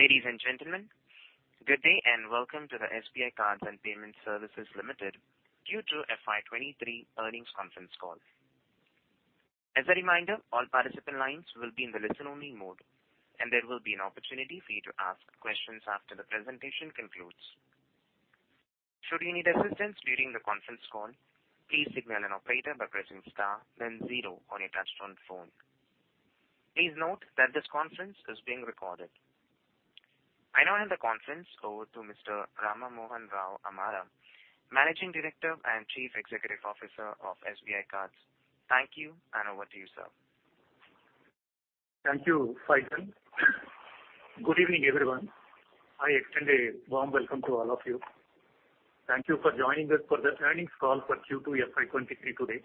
Ladies and gentlemen, good day and welcome to the SBI Cards and Payment Services Limited Q2 FY 2023 earnings conference call. As a reminder, all participant lines will be in the listen-only mode, and there will be an opportunity for you to ask questions after the presentation concludes. Should you need assistance during the conference call, please signal an operator by pressing star then zero on your touch-tone phone. Please note that this conference is being recorded. I now hand the conference over to Mr. Rama Mohan Rao Amara, Managing Director and Chief Executive Officer of SBI Cards. Thank you, and over to you, sir. Thank you, Faizan. Good evening, everyone. I extend a warm welcome to all of you. Thank you for joining us for the earnings call for Q2 FY 2023 today.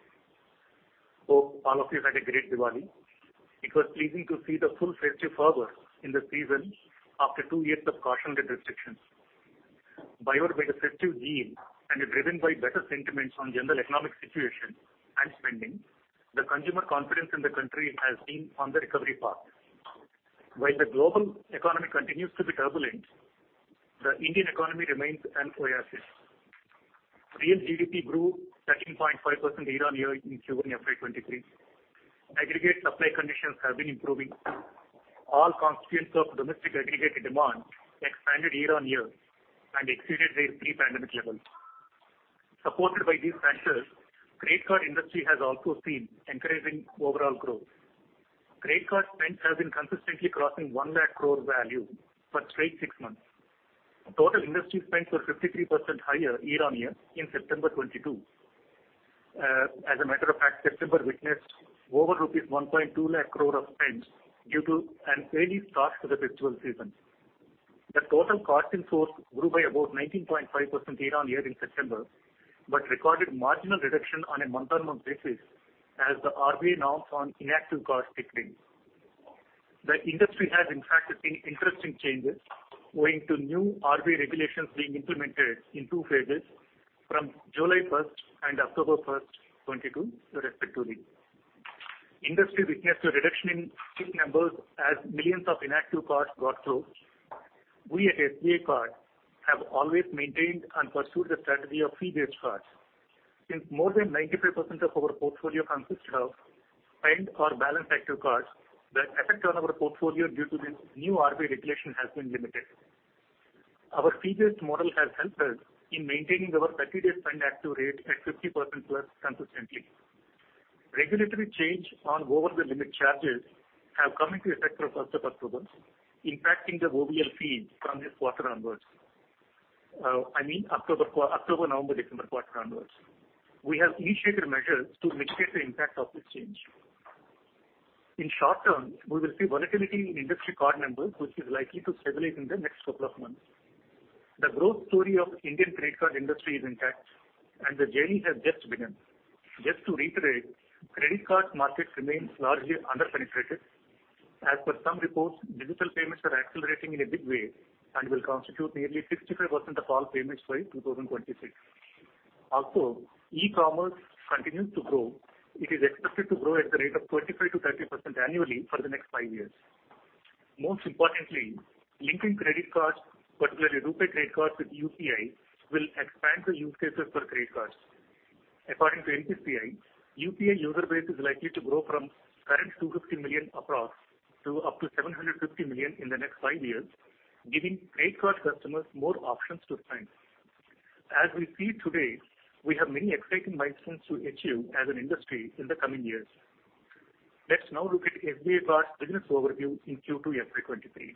Hope all of you had a great Diwali! It was pleasing to see the full festive fervor in the season after two years of caution and restrictions. Driven by the festive zeal and driven by better sentiments on general economic situation and spending, the consumer confidence in the country has been on the recovery path. While the global economy continues to be turbulent, the Indian economy remains an oasis. Real GDP grew 13.5% year-on-year in Q1 FY 2023. Aggregate supply conditions have been improving. All constituents of domestic aggregate demand expanded year-on-year and exceeded their pre-pandemic levels. Supported by these factors, credit card industry has also seen encouraging overall growth. Credit card spend has been consistently crossing 1 lakh crore value for straight six months. Total industry spends were 53% higher year-on-year in September 2022. As a matter of fact, September witnessed over rupees 1.2 lakh crore of spend due to an early start to the festival season. The total cards in force grew by about 19.5% year-on-year in September, but recorded marginal reduction on a month-on-month basis as the RBI norms on inactive cards kicked in. The industry has, in fact, seen interesting changes owing to new RBI regulations being implemented in two phases from July 1st and October 1st, 2022, respectively. Industry witnessed a reduction in CIF numbers as millions of inactive cards got through. We, at SBI Card, have always maintained and pursued the strategy of fee-based cards. Since more than 95% of our portfolio consists of spend or balance active cards, the effect on our portfolio due to this new RBI regulation has been limited. Our fee-based model has helped us in maintaining our 30-day spend active rate at 50% plus consistently. Regulatory change on over the limit charges have come into effect from 1st of October, impacting the OVL fees from this quarter onwards. I mean, October, November, December quarter onwards. We have initiated measures to mitigate the impact of this change. In short-term, we will see volatility in industry card numbers, which is likely to stabilize in the next couple of months. The growth story of Indian credit card industry is intact, and the journey has just begun. Just to reiterate, credit card market remains largely under-penetrated. As per some reports, digital payments are accelerating in a big way and will constitute nearly 65% of all payments by 2026. E-commerce continues to grow. It is expected to grow at the rate of 25%-30% annually for the next five years. Most importantly, linking credit cards, particularly RuPay credit cards with UPI, will expand the use cases for credit cards. According to NPCI, UPI user base is likely to grow from current 250 million across to up to 750 million in the next five years, giving credit card customers more options to spend. As we see today, we have many exciting milestones to achieve as an industry in the coming years. Let's now look at SBI Card's business overview in Q2 FY 2023.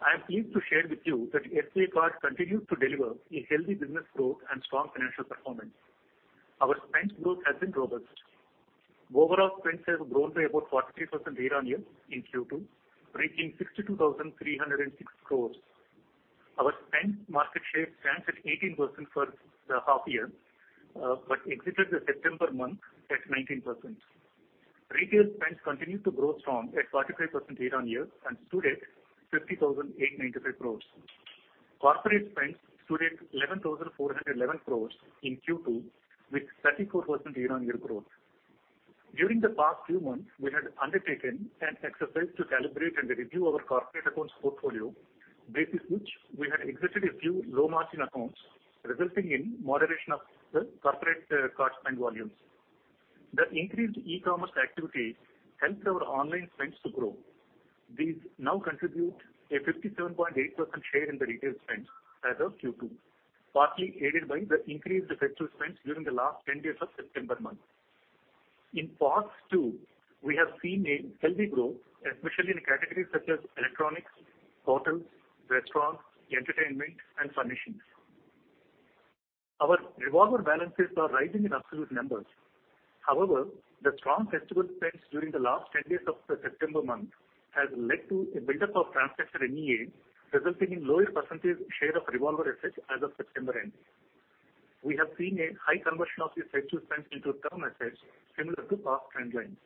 I am pleased to share with you that SBI Card continues to deliver a healthy business growth and strong financial performance. Our spend growth has been robust. Overall spends have grown by about 43% year-on-year in Q2, reaching 62,306 crores. Our spend market share stands at 18% for the half year, but exited the September month at 19%. Retail spends continued to grow strong at 45% year-on-year and stood at 50,895 crores. Corporate spends stood at 11,411 crores in Q2 with 34% year-on-year growth. During the past few months, we had undertaken an exercise to calibrate and review our corporate accounts portfolio, basis which we had exited a few low-margin accounts, resulting in moderation of the corporate, card spend volumes. The increased e-commerce activity helped our online spends to grow. These now contribute a 57.8% share in the retail spends as of Q2, partly aided by the increased festival spends during the last 10 days of September month. In PoS too, we have seen a healthy growth, especially in categories such as electronics, hotels, restaurants, entertainment, and furnishings. Our revolver balances are rising in absolute numbers. However, the strong festival spends during the last 10 days of the September month has led to a buildup of transactions NEA, resulting in lower percentage share of revolver assets as of September end. We have seen a high conversion of the festival spends into term assets similar to past trend lines.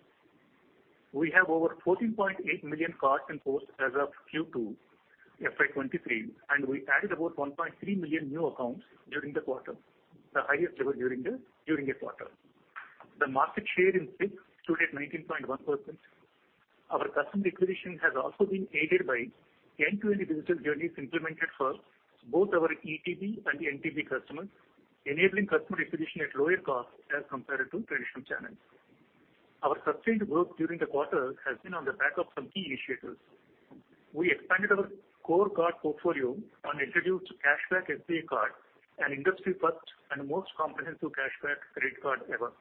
We have over 14.8 million cards in force as of Q2 FY 2023, and we added about 1.3 million new accounts during the quarter, the highest ever during a quarter. The market share in CIF stood at 19.1%. Our customer acquisition has also been aided by end-to-end digital journeys implemented for both our ETB and the NTB customers, enabling customer acquisition at lower cost as compared to traditional channels. Our sustained growth during the quarter has been on the back of some key initiatives. We expanded our core card portfolio and introduced Cashback SBI Card, an industry first and most comprehensive Cashback credit card ever.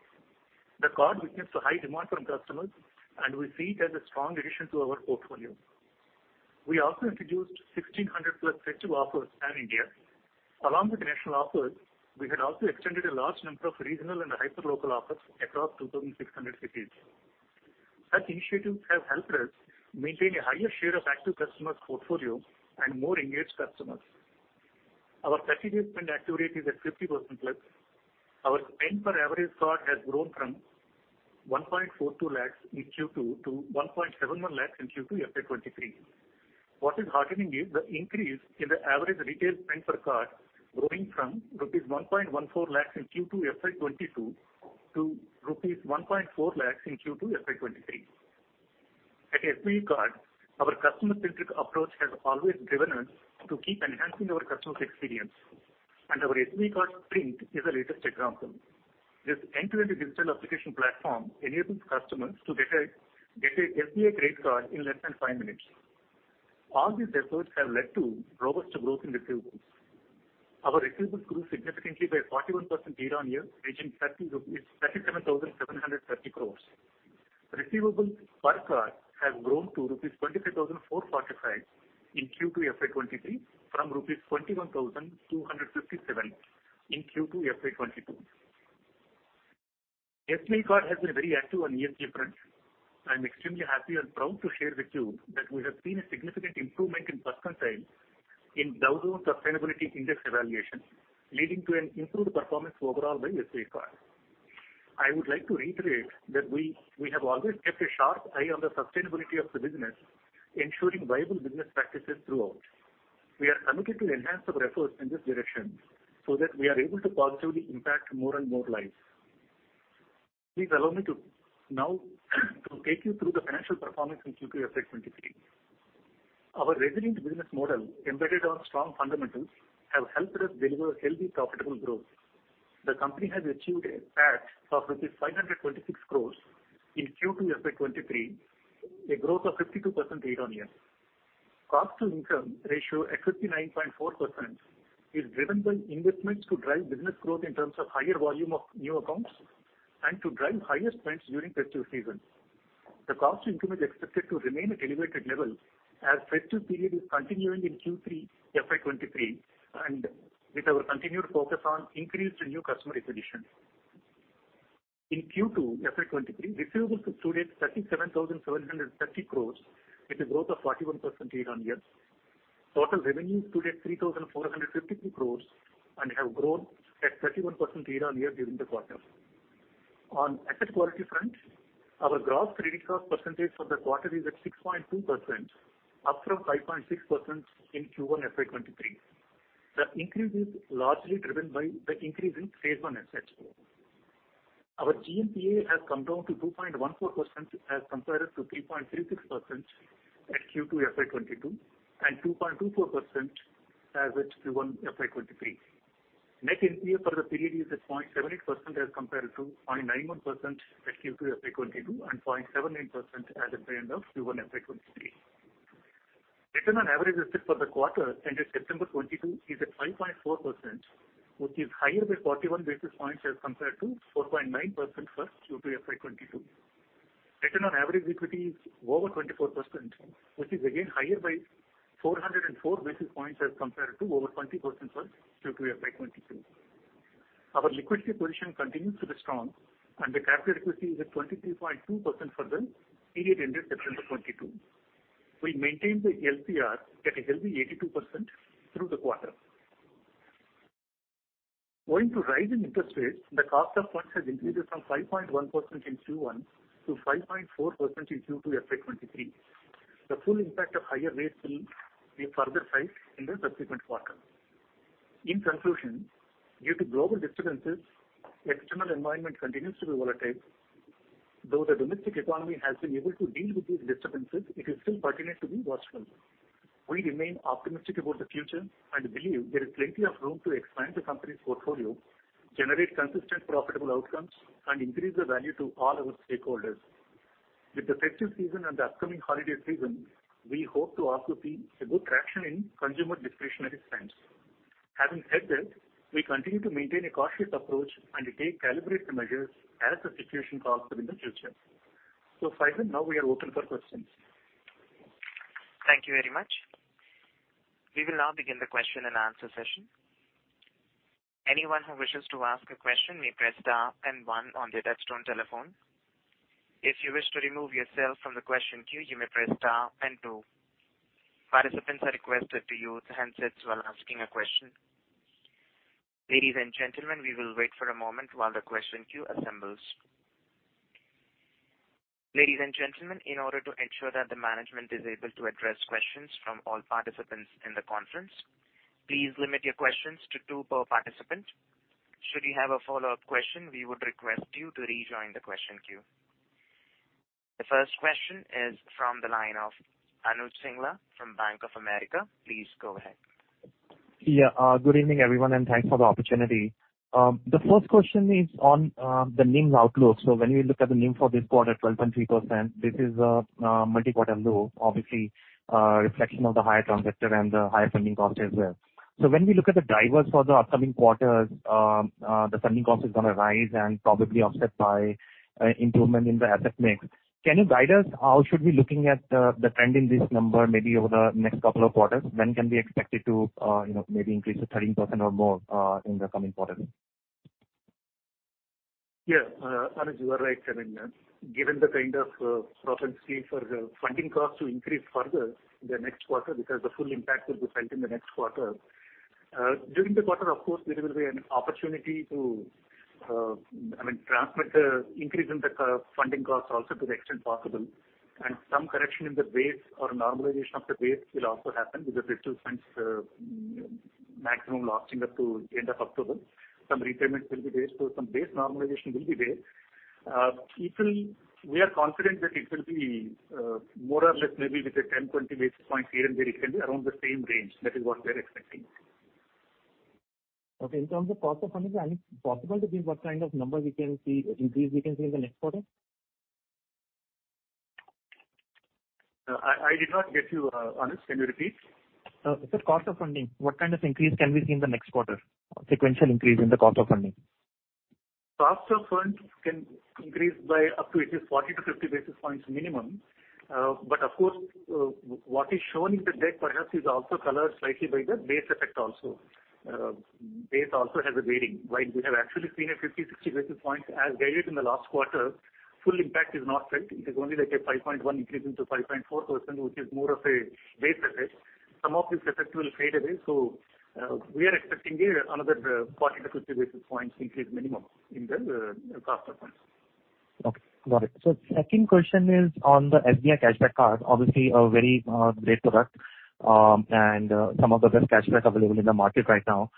The card witnessed a high demand from customers, and we see it as a strong addition to our portfolio. We also introduced 1,600+ festive offers pan-India. Along with the national offers, we had also extended a large number of regional and hyper local offers across 2,600 cities. Such initiatives have helped us maintain a higher share of active customers portfolio and more engaged customers. Our 30-day spend activity is at 50%+. Our spend per average card has grown from 1.42 lakhs in Q2 to 1.71 lakhs in Q2 FY 2023. What is heartening is the increase in the average retail spend per card growing from rupees 1.14 lakhs in Q2 FY 2022 to rupees 1.4 lakhs in Q2 FY 2023. At SBI Card, our customer-centric approach has always driven us to keep enhancing our customers' experience, and our SBI Card Sprint is the latest example. This end-to-end digital application platform enables customers to get a SBI credit card in less than five minutes. All these efforts have led to robust growth in receivables. Our receivables grew significantly by 41% year-on-year, reaching 37,730 crore. Receivables per card have grown to rupees 23,445 in Q2 FY 2023 from rupees 21,257 in Q2 FY 2022. SBI Card has been very active on ESG front. I'm extremely happy and proud to share with you that we have seen a significant improvement in first quintile in Dow Jones Sustainability Index Evaluation, leading to an improved performance overall by SBI Card. I would like to reiterate that we have always kept a sharp eye on the sustainability of the business, ensuring viable business practices throughout. We are committed to enhance our efforts in this direction so that we are able to positively impact more and more lives. Please allow me to take you through the financial performance in Q2 FY 2023. Our resilient business model embedded on strong fundamentals have helped us deliver healthy, profitable growth. The company has achieved a PAT of INR 526 crore in Q2 FY 2023, a growth of 52% year-on-year. Cost-to-income ratio at 59.4% is driven by investments to drive business growth in terms of higher volume of new accounts and to drive higher spends during festive season. The cost-to-income is expected to remain at elevated level as festive period is continuing in Q3 FY 2023 and with our continued focus on increase in new customer acquisition. In Q2 FY 2023, receivables stood at 37,730 crore with a growth of 41% year-over-year. Total revenue stood at 3,452 crore and have grown at 31% year-over-year during the quarter. On asset quality front, our gross credit cost percentage for the quarter is at 6.2%, up from 5.6% in Q1 FY 2023. The increase is largely driven by the increase in Stage 1 assets. Our GNPA has come down to 2.14% as compared to 3.36% at Q2 FY 2022 and 2.24% as at Q1 FY 2023. Net NPA for the period is at 0.78% as compared to 0.91% at Q2 FY 2022 and 0.78% as at the end of Q1 FY 2023. Return on average assets for the quarter ended September 2022 is at 5.4%, which is higher by 41 basis points as compared to 4.9% for Q2 FY 2022. Return on average equity is over 24%, which is again higher by 404 basis points as compared to over 20% for Q2 FY 2022. Our liquidity position continues to be strong, and the capital efficiency is at 23.2% for the period ended September 2022. We maintained the LCR at a healthy 82% through the quarter. Owing to rise in interest rates, the cost of funds has increased from 5.1% in Q1 to 5.4% in Q2 FY 2023. The full impact of higher rates will be further sized in the subsequent quarter. In conclusion, due to global disturbances, external environment continues to be volatile. Though the domestic economy has been able to deal with these disturbances, it is still pertinent to be watchful. We remain optimistic about the future and believe there is plenty of room to expand the company's portfolio, generate consistent profitable outcomes, and increase the value to all our stakeholders. With the festive season and the upcoming holiday season, we hope to also see a good traction in consumer discretionary spends. Having said this, we continue to maintain a cautious approach and take calibrated measures as the situation calls for in the future Faizan, now we are open for questions. Thank you very much. We will now begin the question and answer session. Anyone who wishes to ask a question may press star and one on their touch-tone telephone. If you wish to remove yourself from the question queue, you may press star and two. Participants are requested to use handsets while asking a question. Ladies and gentlemen, we will wait for a moment while the question queue assembles. Ladies and gentlemen, in order to ensure that the management is able to address questions from all participants in the conference, please limit your questions to two per participant. Should you have a follow-up question, we would request you to rejoin the question queue. The first question is from the line of Anuj Singla from Bank of America. Please go ahead. Yeah. Good evening, everyone, and thanks for the opportunity. The first question is on the NIM outlook. When we look at the NIM for this quarter, 12.3%, this is a multi-quarter low, obviously, reflection of the higher transactor and the higher funding cost as well. When we look at the drivers for the upcoming quarters, the funding cost is gonna rise and probably offset by improvement in the asset mix. Can you guide us how should we looking at the trend in this number, maybe over the next couple of quarters? When can we expect it to you know, maybe increase to 13% or more in the coming quarters? Yeah. Anuj, you are right. I mean, given the kind of propensity for the funding cost to increase further in the next quarter because the full impact will be felt in the next quarter. During the quarter, of course, there will be an opportunity to, I mean, transmit the increase in the cost of funding also to the extent possible, and some correction in the base or normalization of the base will also happen with the festival spends, maximum lasting up to end of October. Some repayments will be there, so some base normalization will be there. It will. We are confident that it will be more or less maybe with a 10, 20 basis points here and there, it can be around the same range. That is what we're expecting. Okay. In terms of cost of funding, I mean, is it possible to give what kind of number we can see, increase we can see in the next quarter? I did not get you, Anuj. Can you repeat? I said cost of funding, what kind of increase can we see in the next quarter? Sequential increase in the cost of funding. Cost of funds can increase by up to at least 40-50 basis points minimum. Of course, what is shown in the deck perhaps is also colored slightly by the base effect also. Base also has a weighting. While we have actually seen a 50-60 basis points as guided in the last quarter, full impact is not felt. It is only like a 5.1% increase into 5.4%, which is more of a base effect. Some of this effect will fade away. We are expecting another 40-50 basis points increase minimum in the cost of funds. Okay. Got it. Second question is on the Cashback SBI Card, obviously a very great product, and some of the best cashback available in the market right now.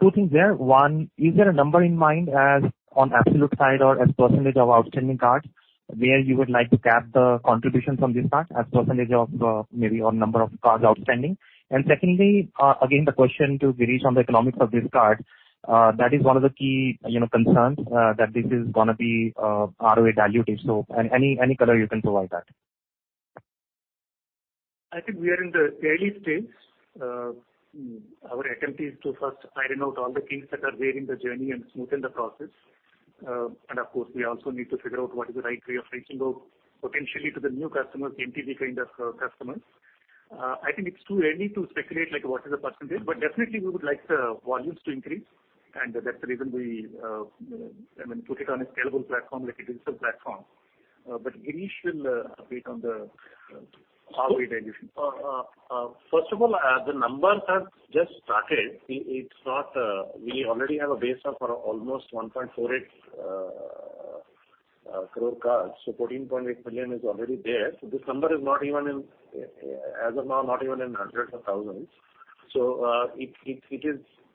Two things there. One, is there a number in mind as on absolute side or as percentage of outstanding cards where you would like to cap the contribution from this card as percentage of, maybe or number of cards outstanding? And secondly, again, the question to Girish on the economics of this card, that is one of the key, you know, concerns, that this is gonna be ROA dilutive. Any color you can provide that. I think we are in the early stage. Our attempt is to first iron out all the kinks that are there in the journey and smoothen the process. And of course, we also need to figure out what is the right way of reaching out potentially to the new customers, NTB kind of customers. I think it's too early to speculate, like, what is the percentage. Definitely we would like the volumes to increase, and that's the reason we, I mean, put it on a scalable platform like a digital platform, but Girish will update on the ROA dilution. First of all, the numbers have just started. It's not. We already have a base of almost 1.48 crore cards. So 14.8 million is already there. This number is not even in, as of now, not even in hundreds of thousands.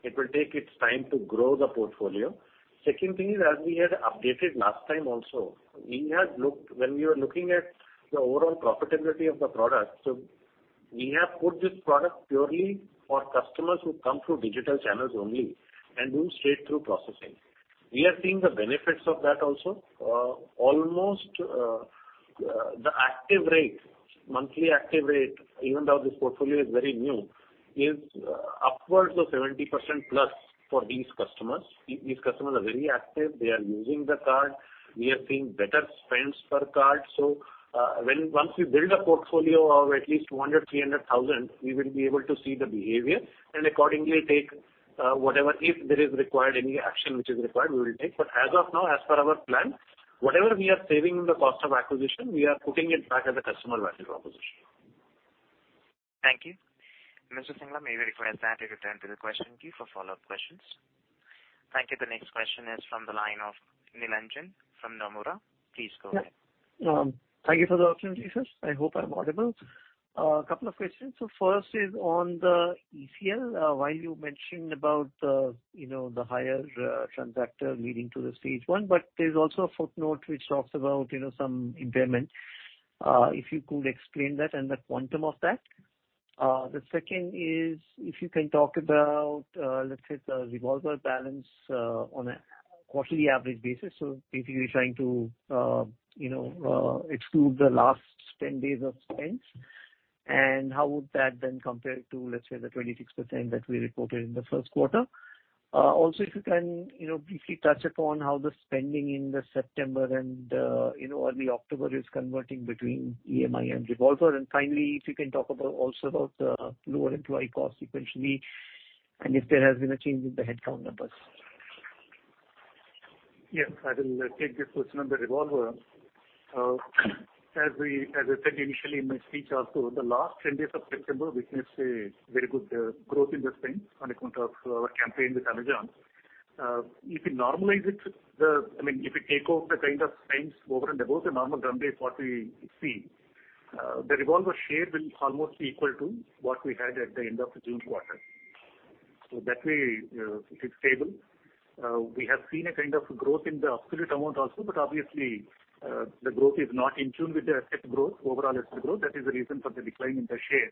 It will take its time to grow the portfolio. Second thing is, as we had updated last time also, when we were looking at the overall profitability of the product, we have put this product purely for customers who come through digital channels only and do straight-through processing. We are seeing the benefits of that also. Almost, the active rate, monthly active rate, even though this portfolio is very new, is upwards of 70%+ for these customers. These customers are very active. They are using the card. We are seeing better spends per card. When once we build a portfolio of at least 200,000-300,000, we will be able to see the behavior and accordingly take whatever, if there is required, any action which is required, we will take. As of now, as per our plan, whatever we are saving in the cost of acquisition, we are putting it back as a customer value proposition. Thank you. Mr. Singla, may we request that you return to the question queue for follow-up questions. Thank you. The next question is from the line of Nilanjan from Nomura. Please go ahead. Yeah. Thank you for the opportunity, sir. I hope I'm audible. A couple of questions. First is on the ECL. While you mentioned about, you know, the higher transactor leading to the Stage 1, but there's also a footnote which talks about, you know, some impairment. If you could explain that and the quantum of that. The second is if you can talk about, let's say, the revolver balance on a quarterly average basis. Basically trying to, you know, exclude the last 10 days of spends and how would that then compare to, let's say, the 26% that we reported in the first quarter. Also, if you can, you know, briefly touch upon how the spending in September and, you know, early October is converting between EMI and revolver. Finally, if you can talk about lower employee costs sequentially and if there has been a change in the headcount numbers? Yes, I will take this question on the revolver. As I said initially in my speech also, the last ten days of September witnessed a very good growth in the spends on account of our campaign with Amazon. If you normalize it, I mean, if you take off the kind of spends over and above the normal run rate what we see, the revolver share will almost equal to what we had at the end of the June quarter. So that way, it's stable. We have seen a kind of growth in the absolute amount also, but obviously, the growth is not in tune with the asset growth, overall asset growth. That is the reason for the decline in the share.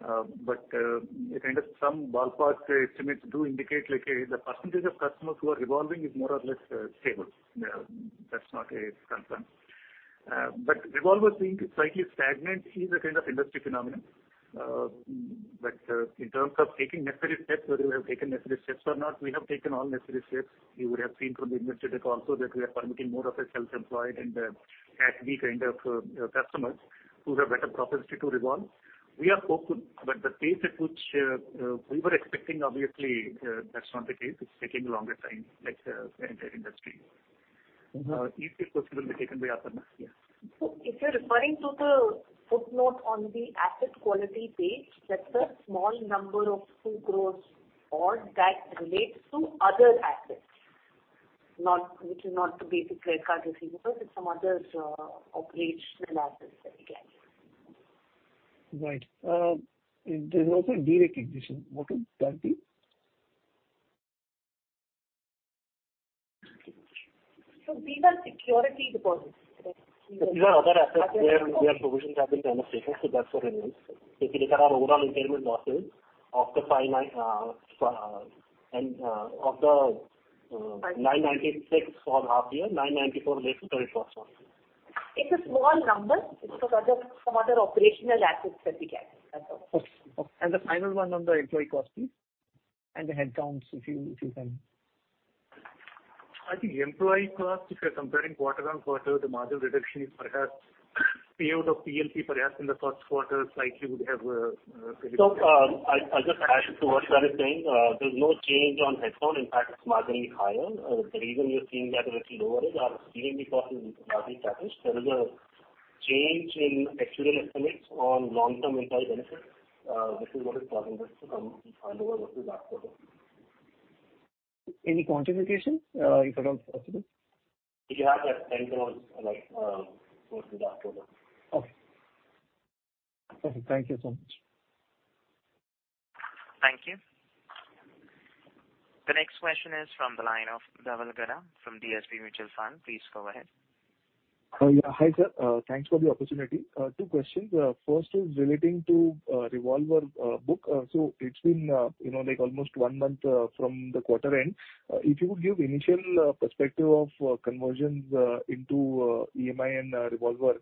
A kind of some ballpark estimates do indicate like, the percentage of customers who are revolving is more or less, stable. Yeah, that's not a concern. Revolver being slightly stagnant is a kind of industry phenomenon. In terms of taking necessary steps, whether we have taken necessary steps or not, we have taken all necessary steps. You would have seen from the industry that also that we are permitting more of a self-employed and, Category B kind of, customers who have better propensity to revolve. We are hopeful, but the pace at which, we were expecting, obviously, that's not the case. It's taking a longer time like the, industry. Each question will be taken by Aparna. Yeah. If you're referring to the footnote on the asset quality page, that's a small number of INR 2 crores odd that relates to other assets, which is not the basic credit card receivables. It's some other operational assets that we can get. Right. There's also a de-recognition. What is that? These are security deposits. These are other assets where provisions have been demonstrated, so that's what it means. If you look at our overall impairment losses, out of the 996 crore for the half year, 994 crore related to credit cost. It's a small number. It's for other, some other operational assets that we get. That's all. Okay. The final one on the employee cost please, and the headcounts if you can. I think employee cost, if you're comparing quarter-on-quarter, the marginal reduction is perhaps pay out of PLP perhaps in the first quarter slightly would have. I'll just add to what Rama is saying. There's no change on head count. In fact, it's marginally higher. The reason you're seeing that a little lower is our C&B cost is largely flattish. There is a change in actuarial estimates on long-term employee benefits. This is what is causing this to come lower than last quarter. Any quantification, if at all possible? You have that 10 crore versus last quarter. Okay. Okay, thank you so much. Thank you. The next question is from the line of Dhaval Gada from DSP Mutual Fund. Please go ahead. Yeah. Hi, sir. Thanks for the opportunity. Two questions. First is relating to revolver book. It's been you know like almost one month from the quarter end. If you would give initial perspective of conversions into EMI and revolver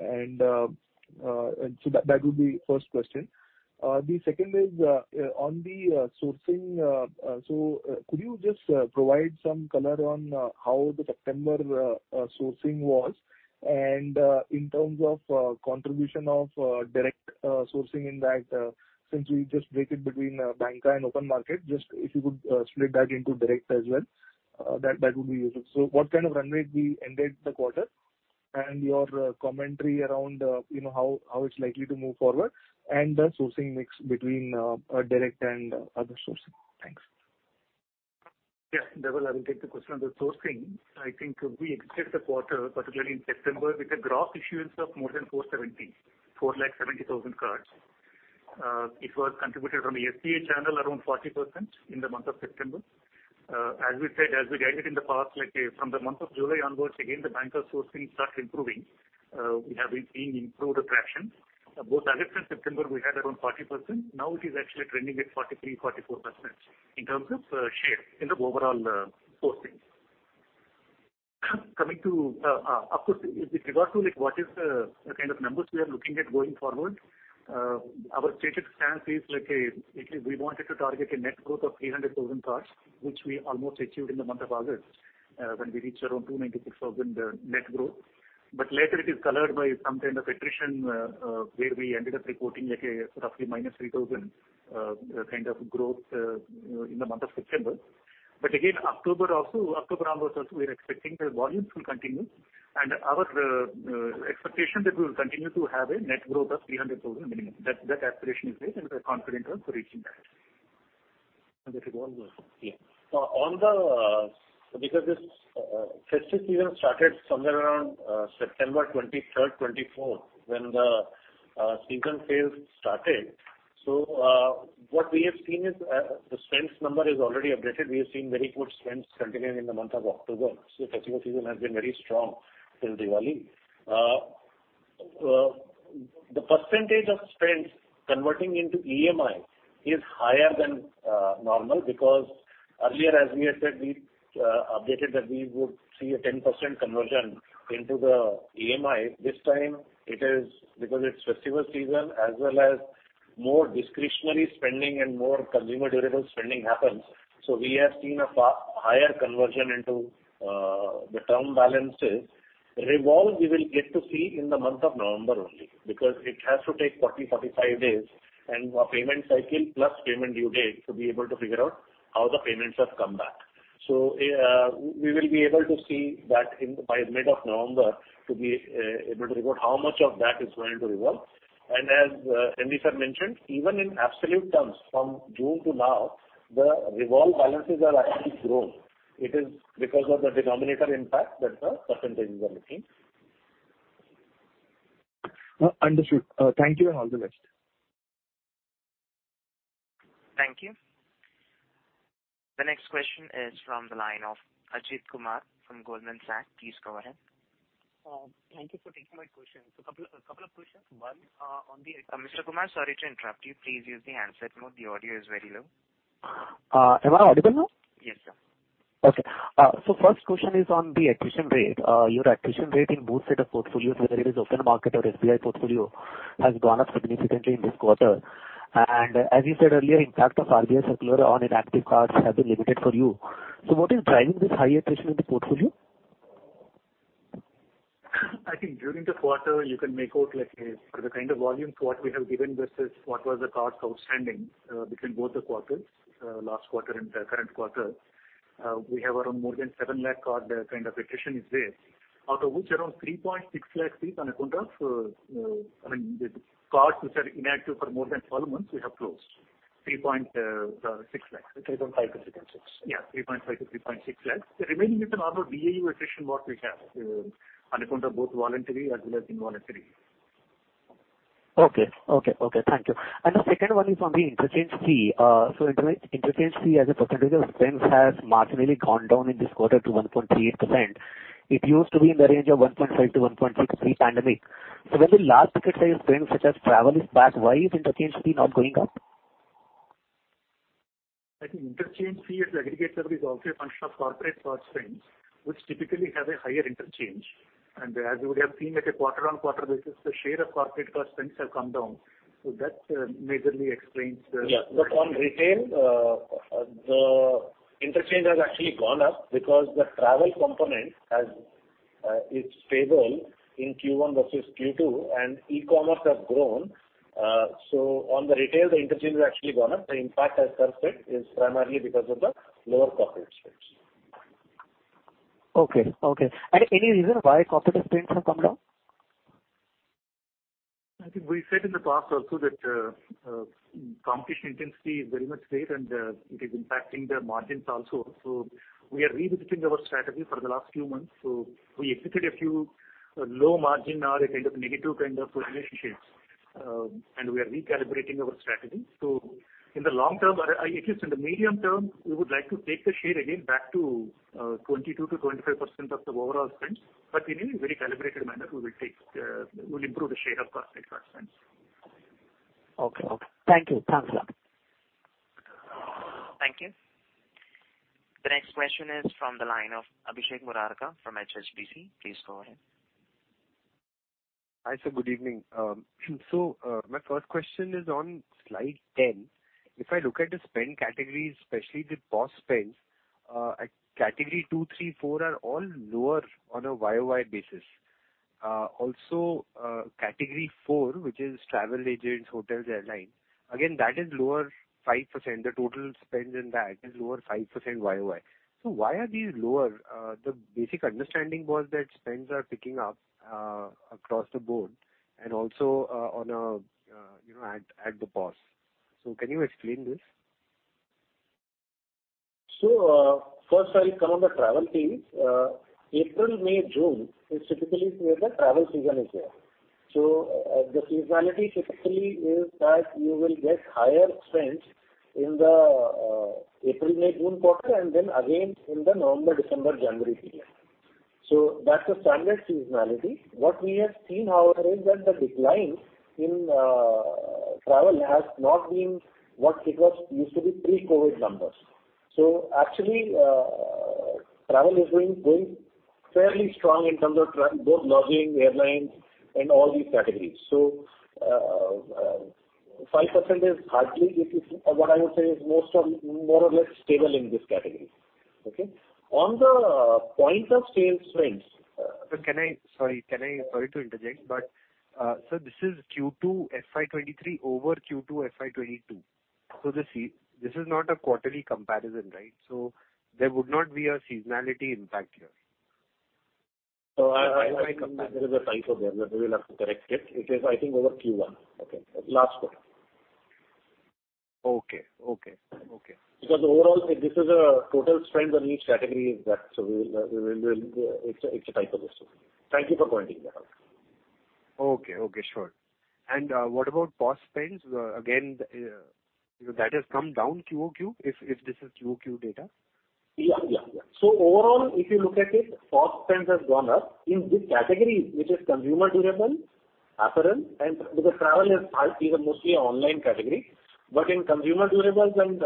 and so that would be first question. The second is on the sourcing. Could you just provide some color on how the September sourcing was? In terms of contribution of direct sourcing in that, since you just break it between BANCA and open market, just if you could split that into direct as well, that would be useful. What kind of run rate we ended the quarter and your commentary around, you know, how it's likely to move forward and the sourcing mix between direct and other sourcing. Thanks. Yeah. Dhaval, I will take the question on the sourcing. I think we entered the quarter, particularly in September, with a gross issuance of more than 4.70 lakh, 4 lakh 70 thousand cards. It was contributed from the SBI channel around 40% in the month of September. As we said, as we guided in the past, like, from the month of July onwards, again, the BANCA sourcing starts improving. We have been seeing improved traction. Both August and September, we had around 40%. Now it is actually trending at 43%-44% in terms of share in the overall sourcing. Coming to, of course, with regard to, like, what is the kind of numbers we are looking at going forward, our stated stance is like a... We wanted to target a net growth of 300,000 cards, which we almost achieved in the month of August, when we reached around 296,000 net growth. Later it is colored by some kind of attrition, where we ended up reporting like a roughly -3,000 kind of growth in the month of September. October onwards also, we are expecting the volumes will continue and our expectation that we will continue to have a net growth of 300,000 minimum. That aspiration is there and we're confident of reaching that. On the revolver. Yeah. Because this festive season started somewhere around September 23rd, 24th when the season sales started. What we have seen is the spends number is already updated. We have seen very good spends continuing in the month of October. Festival season has been very strong till Diwali. The percentage of spends converting into EMI is higher than normal because earlier, as we had said, we updated that we would see a 10% conversion into the EMI. This time it is because it's festival season as well as more discretionary spending and more consumer durable spending happens. We have seen a far higher conversion into the term balances. Revolve we will get to see in the month of November only because it has to take 40, 45 days and a payment cycle plus payment due date to be able to figure out how the payments have come back. We will be able to see that by mid of November to be able to report how much of that is going to revolve. As MD Sir mentioned, even in absolute terms from June to now, the revolve balances have actually grown. It is because of the denominator impact that the percentages are looking Understood. Thank you and all the best. Thank you. The next question is from the line of Ajit Kumar from Goldman Sachs. Please go ahead. Thank you for taking my question. A couple of questions. One, on the Mr. Ajit Kumar, sorry to interrupt you. Please use the handset mode. The audio is very low. Am I audible now? Yes, sir. Okay. First question is on the attrition rate. Your attrition rate in both set of portfolios, whether it is open market or SBI portfolio, has gone up significantly in this quarter. As you said earlier, impact of RBI circular on inactive cards has been limited for you. What is driving this high attrition in the portfolio? I think during the quarter you can make out like, the kind of volumes what we have given versus what was the cards outstanding, between both the quarters, last quarter and the current quarter. We have around more than 7 lakh card kind of attrition is there. Out of which around 3.6 lakh were on account of, I mean, the cards which are inactive for more than 12 months, we have closed. 3.6 lakhs. 3.5-3.6 lakhs. 3.5-3.6 lakhs. The remaining is an annual BAU attrition that we have on account of both voluntary as well as involuntary. Okay, thank you. The second one is on the interchange fee. Interchange fee as a percentage of spends has marginally gone down in this quarter to 1.38%. It used to be in the range of 1.5%-1.6% pre-pandemic. When the large ticket size spends such as travel is back, why is interchange fee not going up? I think interchange fee at the aggregate level is also a function of corporate card spends, which typically have a higher interchange. As you would have seen at a quarter-on-quarter basis, the share of corporate card spends have come down. That majorly explains. On retail, the interchange has actually gone up because the travel component is stable in Q1 versus Q2, and e-commerce has grown. On the retail, the interchange has actually gone up. The impact as per se is primarily because of the lower corporate spends. Okay. Any reason why corporate spends have come down? I think we said in the past also that, competition intensity is very much there and, it is impacting the margins also. We are revisiting our strategy for the last few months. We executed a few, low margin or a kind of negative kind of initiatives, and we are recalibrating our strategy. In the long term, or at least in the medium term, we would like to take the share again back to, 22%-25% of the overall spends. In a very calibrated manner, we'll improve the share of corporate card spends. Okay. Thank you. Thanks, Sir. Thank you. The next question is from the line of Abhishek Murarka from HSBC. Please go ahead. Hi, sir. Good evening. My first question is on slide 10. If I look at the spend categories, especially the POS spends, at Category 2, 3, 4 are all lower on a year-over-year basis. Also, Category 4, which is travel agents, hotels, airlines, again, that is lower 5%. The total spends in that is lower 5% year-over-year. Why are these lower? The basic understanding was that spends are picking up across the board and also, you know, at the POS. Can you explain this? First I'll comment on the travel piece. April, May, June is typically where the travel season is there. The seasonality typically is that you will get higher spends in the April, May, June quarter and then again in the November, December, January period. That's a standard seasonality. What we have seen, however, is that the decline in travel has not been what it was used to be pre-COVID numbers. Actually, travel is doing fairly strong in terms of both lodging, airlines, and all these categories. 5% is hardly. What I would say is more or less stable in this category. Okay? On the point of sale spends. Sir, sorry to interject, but sir, this is Q2 FY 2023 over Q2 FY 2022. This is not a quarterly comparison, right? There would not be a seasonality impact here. I think there is a typo there that we will have to correct it. It is, I think, over Q1. Okay. Last quarter. Okay. Because overall, this is a total spends on each category is that. We'll. It's a typo, yes. Thank you for pointing that out. Okay, sure. What about POS spends? Again, that has come down quarter-over-quarter if this is quarter-over-quarter data. Yeah. Overall, if you look at it, POS spends has gone up. In this category, which is consumer durable, apparel, and because travel is mostly an online category. In consumer durables and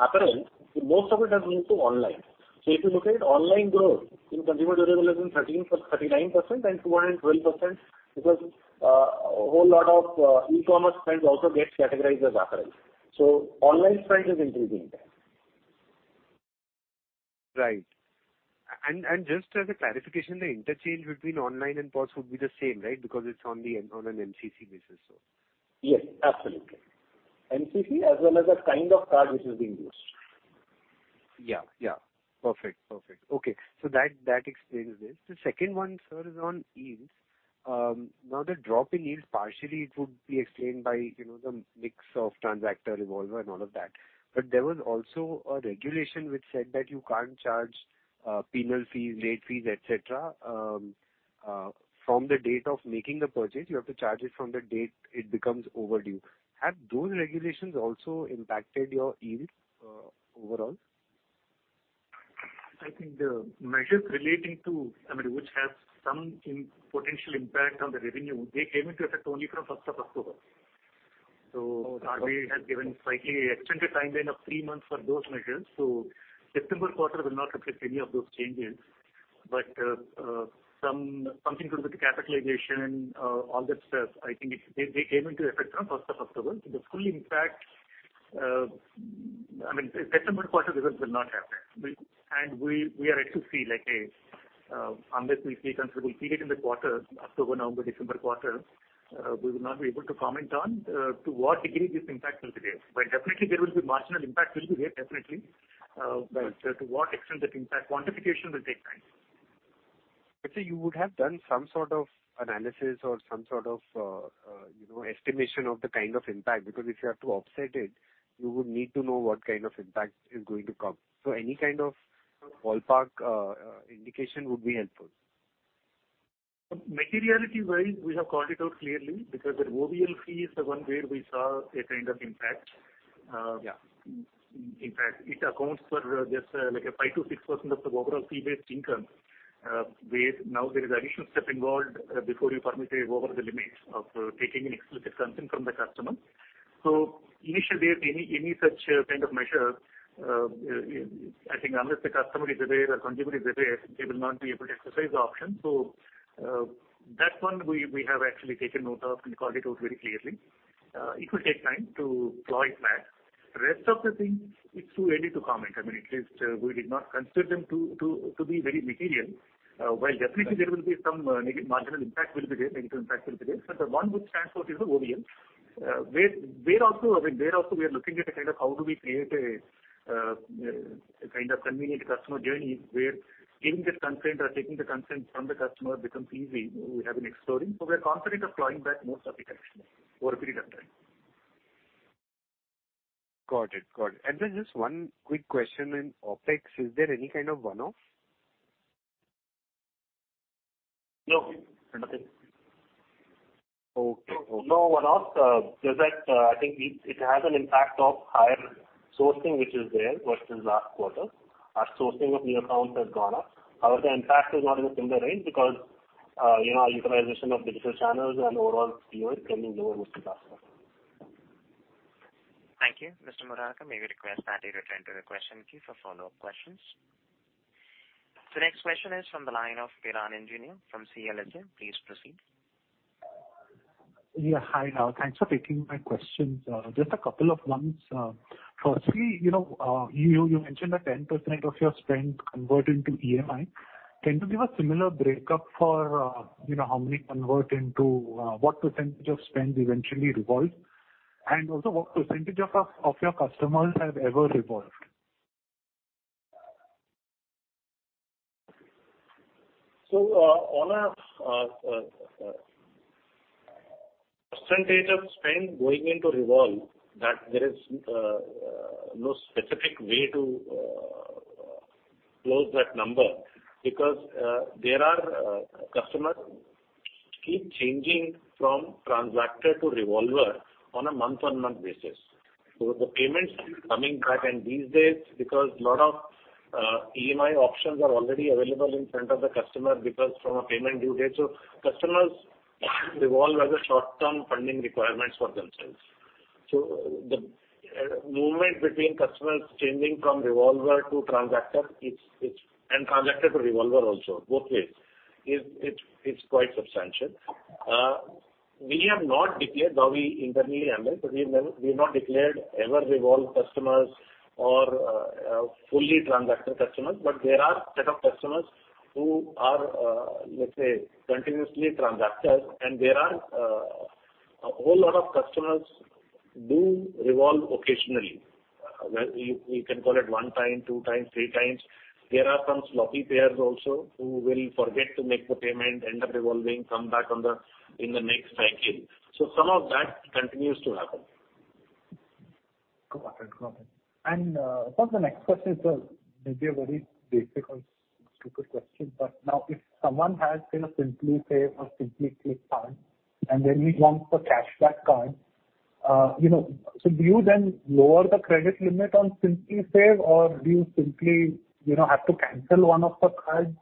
apparel, most of it has moved to online. If you look at it, online growth in consumer durable has been 39% and 212% because a whole lot of e-commerce spends also gets categorized as apparel. Online spends is increasing there. Right. Just as a clarification, the interchange between online and POS would be the same, right? Because it's on an MCC basis, so. Yes, absolutely. MCC as well as the kind of card which is being used. Yeah. Perfect. Okay. That explains this. The second one, sir, is on yields. Now the drop in yields, partially it would be explained by, you know, the mix of transactor, revolver and all of that. There was also a regulation which said that you can't charge penal fees, late fees, et cetera, from the date of making the purchase, you have to charge it from the date it becomes overdue. Have those regulations also impacted your yield, overall? I think the measures relating to, I mean, which has some potential impact on the revenue, they came into effect only from 1st of October. RBI has given slightly extended timeline of three months for those measures. September quarter will not reflect any of those changes. Something to do with the capitalization, all that stuff, I think they came into effect on first of October. The full impact, I mean, September quarter results will not have that. We are yet to see, like a, unless we see considerable period in the quarter, October, November, December quarter, we will not be able to comment on to what degree this impact will be there. Definitely there will be marginal impact there, definitely. To what extent that impact quantification will take time. Sir, you would have done some sort of analysis or some sort of, you know, estimation of the kind of impact, because if you have to offset it, you would need to know what kind of impact is going to come. Any kind of ballpark, indication would be helpful. Materiality wise, we have called it out clearly because the OVL fee is the one where we saw a kind of impact. Yeah. In fact, it accounts for just, like 5%-6% of the overall fee-based income, where now there is an additional step involved before you permit an over-the-limit of taking an explicit consent from the customer. Initially, if any such kind of measure, I think unless the customer is aware, the consumer is aware, they will not be able to exercise the option. That one we have actually taken note of and called it out very clearly. It will take time to claw it back. Rest of the things, it's too early to comment. I mean, it's, we did not consider them to be very material. While definitely there will be some marginal impact will be there, negative impact will be there. The one which stands out is the OVL, where also, I mean, we are looking at kind of how do we create a kind of convenient customer journey where giving that consent or taking the consent from the customer becomes easy. We have been exploring. We are confident of clawing back most of the collections over a period of time. Got it. Just one quick question in OpEx. Is there any kind of one-off? No, nothing. Okay. No one-off. Just that, I think it has an impact of higher sourcing which is there versus last quarter. Our sourcing of new accounts has gone up. However, the impact is not in a similar range because, you know, our utilization of digital channels and overall COA can be lower versus last quarter. Thank you. Mr. Murarka, may we request that you return to the question queue for follow-up questions. The next question is from the line of Piran Engineer from CLSA. Please proceed. Yeah, hi. Thanks for taking my questions. Firstly, you know, you mentioned that 10% of your spend convert into EMI. Can you give a similar break up for, you know, how many convert into what percentage of spend eventually revolves? And also what percentage of your customers have ever revolved? On a percentage of spend going into revolve that there is no specific way to close that number because there are customers keep changing from transactor to revolver on a month-on-month basis. The payments keep coming back and these days because lot of EMI options are already available in front of the customer because from a payment due date. Customers revolve as a short-term funding requirements for themselves. The movement between customers changing from revolver to transactor it's quite substantial. Transactor to revolver also, both ways, is quite substantial. We have not declared how we internally handle, so we've never declared revolve customers or fully transactor customers, but there are set of customers who are, let's say, continuously transactors and there are a whole lot of customers do revolve occasionally. You can call it one time, two times, three times. There are some sloppy payers also who will forget to make the payment, end up revolving, come back in the next cycle. Some of that continues to happen. Got it. Perhaps the next question is maybe a very basic or stupid question, but now if someone has, you know, SimplySAVE or SimplyCLICK card and then he wants a Cashback card, you know, so do you then lower the credit limit on SimplySAVE or do you simply, you know, have to cancel one of the cards?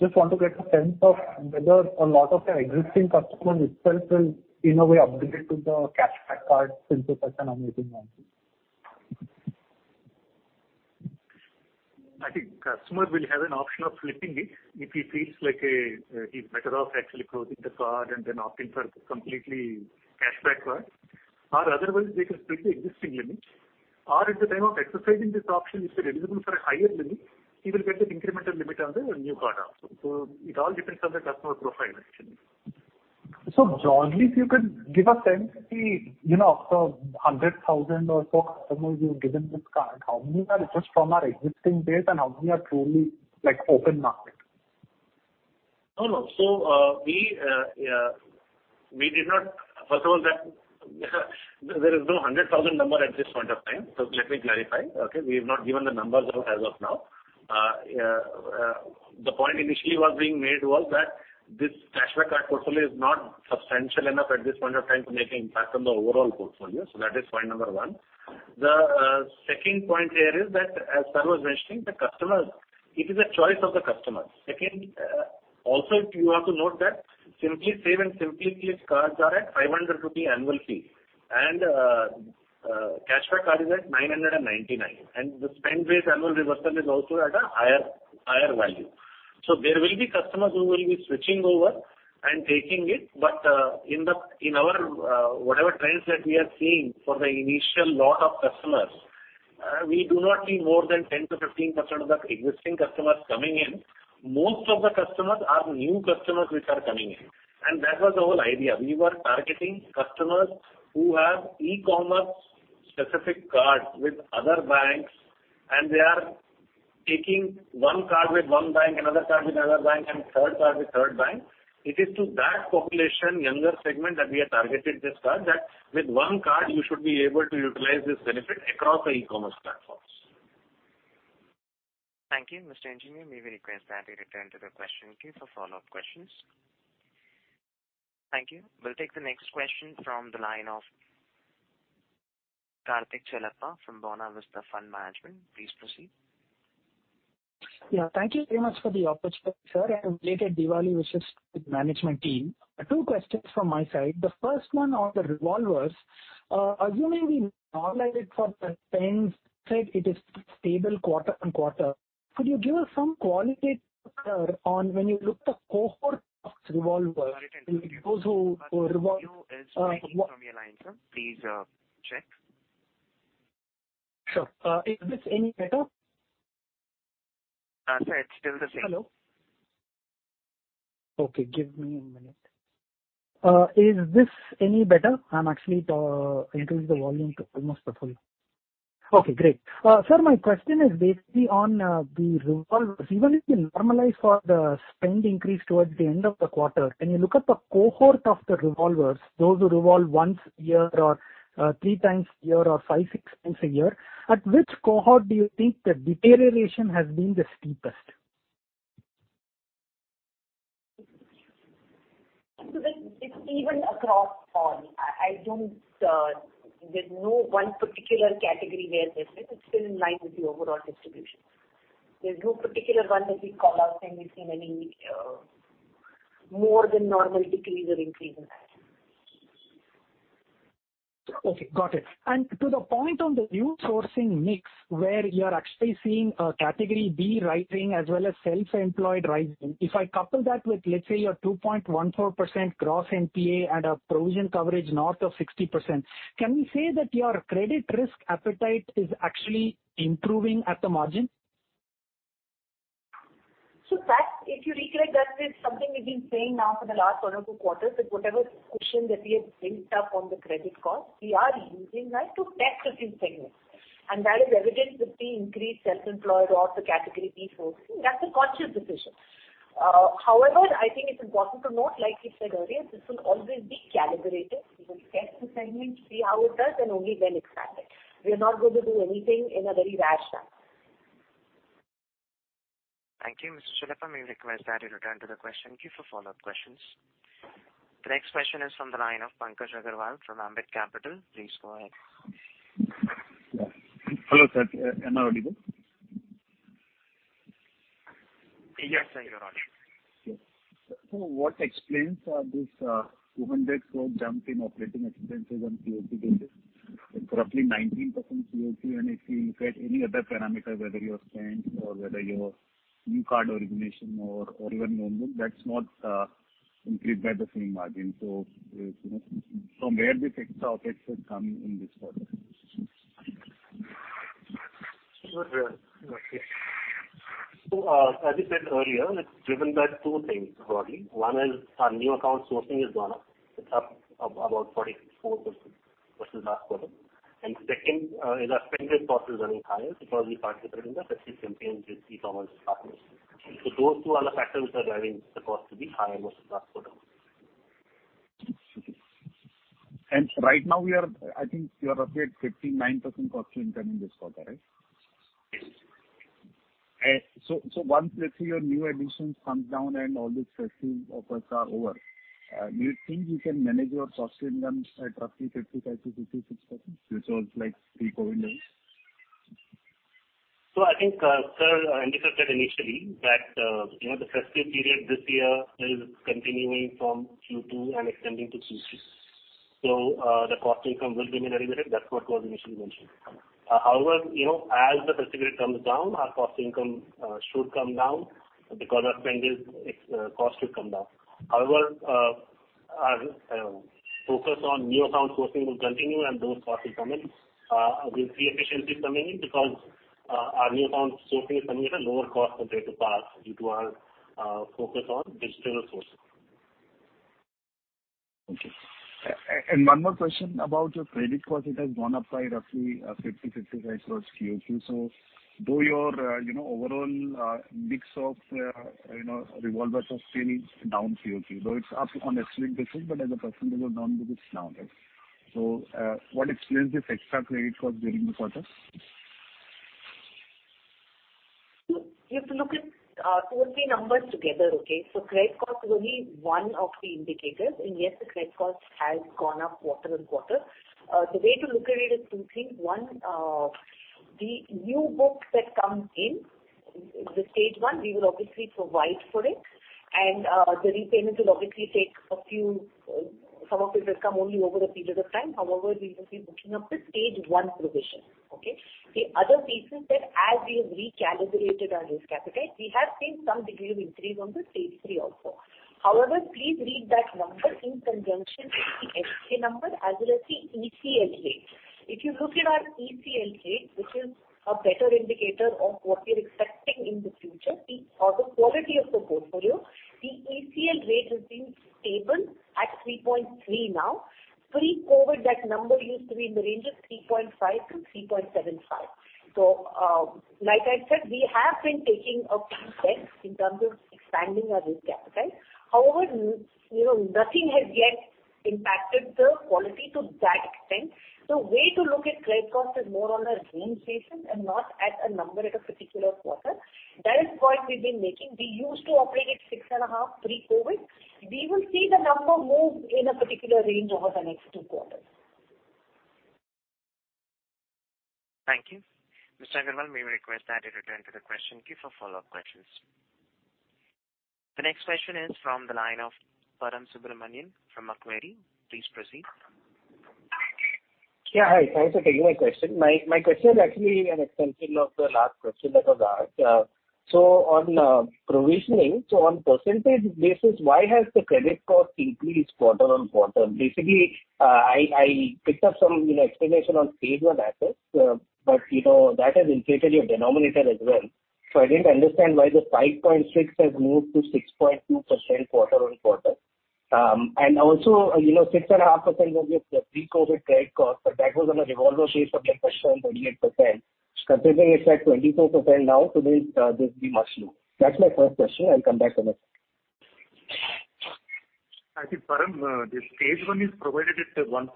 Just want to get a sense of whether a lot of your existing customers itself will in a way upgrade to the Cashback card since it has an amazing launch. I think customer will have an option of flipping it if he feels like, he's better off actually closing the card and then opting for completely cashback card or otherwise they can split the existing limit or at the time of exercising this option if they're eligible for a higher limit, he will get that incremental limit on the new card also. It all depends on the customer profile actually. Broadly, if you could give a sense, you know, of the 100,000 or so customers you've given this card, how many are just from our existing base and how many are truly like open market? No, no. First of all, there is no 100,000 number at this point of time. Let me clarify, okay? We have not given the numbers out as of now. The point initially being made was that this Cashback card portfolio is not substantial enough at this point of time to make an impact on the overall portfolio. That is point number one. The second point here is that as Sir was mentioning, the customers, it is a choice of the customers. Second, you also have to note that SimplySAVE and SimplyCLICK cards are at 500 rupee annual fee and Cashback card is at 999. The spend-based annual reversal is also at a higher value. There will be customers who will be switching over and taking it. In our whatever trends that we are seeing for the initial lot of customers, we do not see more than 10%-15% of the existing customers coming in. Most of the customers are new customers which are coming in. That was the whole idea. We were targeting customers who have e-commerce specific cards with other banks and they are taking one card with one bank, another card with another bank and third card with third bank. It is to that population, younger segment that we have targeted this card that with one card you should be able to utilize this benefit across the e-commerce platforms. Thank you. Mr. Engineer. May we request that you return to the question queue for follow-up questions. Thank you. We'll take the next question from the line of Karthik Chellappa from Buena Vista Fund Management. Please proceed. Yeah, thank you very much for the opportunity, sir, and belated Diwali wishes to the management team. Two questions from my side. The first one on the revolvers. Assuming we normalize it for the spend side, it is stable quarter-on-quarter. Could you give us some qualitative color on when you look the cohort of revolvers, those who revolve. Sir, the audio is breaking from your line, sir. Please, check. Sure. Is this any better? Sir, it's still the same. Hello? Okay, give me a minute. Is this any better? I'm actually increased the volume to almost the full. Okay, great. Sir, my question is basically on the revolvers. Even if you normalize for the spend increase towards the end of the quarter, when you look at the cohort of the revolvers, those who revolve once a year or three times a year or five, six times a year, at which cohort do you think the deterioration has been the steepest? that it's even across all. I don't, there's no one particular category where there's. It's still in line with the overall distribution. There's no particular one that we call out and we've seen any, more than normal decrease or increase in that. Okay, got it. To the point on the new sourcing mix where you are actually seeing a Category B rising as well as self-employed rising. If I couple that with let's say your 2.14% gross NPA and a provision coverage north of 60%, can we say that your credit risk appetite is actually improving at the margin? That if you recollect, that is something we've been saying now for the last one or two quarters, that whatever cushion that we have built up on the credit cost, we are using that to test certain segments and that is evident with the increased self-employed or the Category B sourcing. That's a conscious decision. However, I think it's important to note, like you said earlier, this will always be calibrated. We will test the segment, see how it does and only then expand it. We are not going to do anything in a very rash manner. Thank you, Mr. Chellappa. May we request that you return to the question queue for follow-up questions. The next question is from the line of Pankaj Agarwal from Ambit Capital. Please go ahead. Yeah. Hello, sir. Am I audible? Yes, sir, you're audible. Okay. What explains this INR 200 crore jump in operating expenses on a quarter-over-quarter basis? Roughly 19% quarter-over-quarter and if you look at any other parameter, whether your spend or whether your new card origination or your loan book, that's not increased by the same margin. From where this extra OpEx is coming in this quarter? As we said earlier, it's driven by two things broadly. One is our new account sourcing has gone up. It's up about 44% versus last quarter. Second, is our spend-based cost is running higher because we participated in the festive campaigns with e-commerce partners. Those two are the factors which are driving the cost to be higher versus last quarter. Right now we are, I think you are up at 59% cost to income in this quarter, right? Yes. Once let's say your new additions comes down and all these festive offers are over, do you think you can manage your cost to income at roughly 55%-56% which was like pre-Covid levels? I think sir indicated initially that you know the festive period this year is continuing from Q2 and extending to Q3. The cost income will remain elevated. That's what was initially mentioned. However, you know, as the festive period comes down, our cost income should come down because our spend, its cost will come down. However, our focus on new account sourcing will continue and those costs will come in. We'll see efficiencies coming in because our new account sourcing is coming at a lower cost compared to past due to our focus on digital sourcing. One more question about your credit cost. It has gone up by roughly 50 crore-55 crore quarter-over-quarter. Though your you know overall mix of you know revolvers are still down quarter-over-quarter. Though it's up on absolute basis, but as a percentage it's down because it's now, right? What explains this extra credit cost during the quarter? You have to look at two or three numbers together, okay? Credit cost is only one of the indicators. Yes, the credit cost has gone up quarter-on-quarter. The way to look at it is two things. One, the new book that comes in, the Stage 1, we will obviously provide for it. The repayments will obviously take a few. Some of it will come only over a period of time. However, we will be booking up the Stage 1 provision. Okay? The other piece is that as we have recalibrated our risk appetite, we have seen some degree of increase on the Stage 3 also. However, please read that number in conjunction with the SK number as well as the ECL rate. If you look at our ECL rate, which is a better indicator of what we're expecting in the future or the quality of the portfolio, the ECL rate has been stable at 3.3% now. Pre-COVID, that number used to be in the range of 3.5%-3.75%. Like I said, we have been taking a few steps in terms of expanding our risk appetite. However, you know, nothing has yet impacted the quality to that extent. The way to look at credit cost is more on a range basis and not at a number at a particular quarter. That is the point we've been making. We used to operate at 6.5% pre-COVID. We will see the number move in a particular range over the next two quarters. Thank you. Mr. Agarwal, may we request that you return to the question queue for follow-up questions. The next question is from the line of Param Subramanian from Macquarie. Please proceed. Yeah. Hi. Thanks for taking my question. My question is actually an extension of the last question that was asked. On provisioning, on percentage basis, why has the credit cost increased quarter on quarter? Basically, I picked up some, you know, explanation on Stage 1 assets, but, you know, that has inflated your denominator as well. I didn't understand why the 5.6 has moved to 6.2% quarter on quarter. And also, you know, 6.5% was your pre-COVID credit cost, but that was on a revolver base of like 28%. Considering it's at 24% now, it should be much lower. That's my first question. I'll come back on it. I think, Param, the Stage 1 is provided at 1.7%.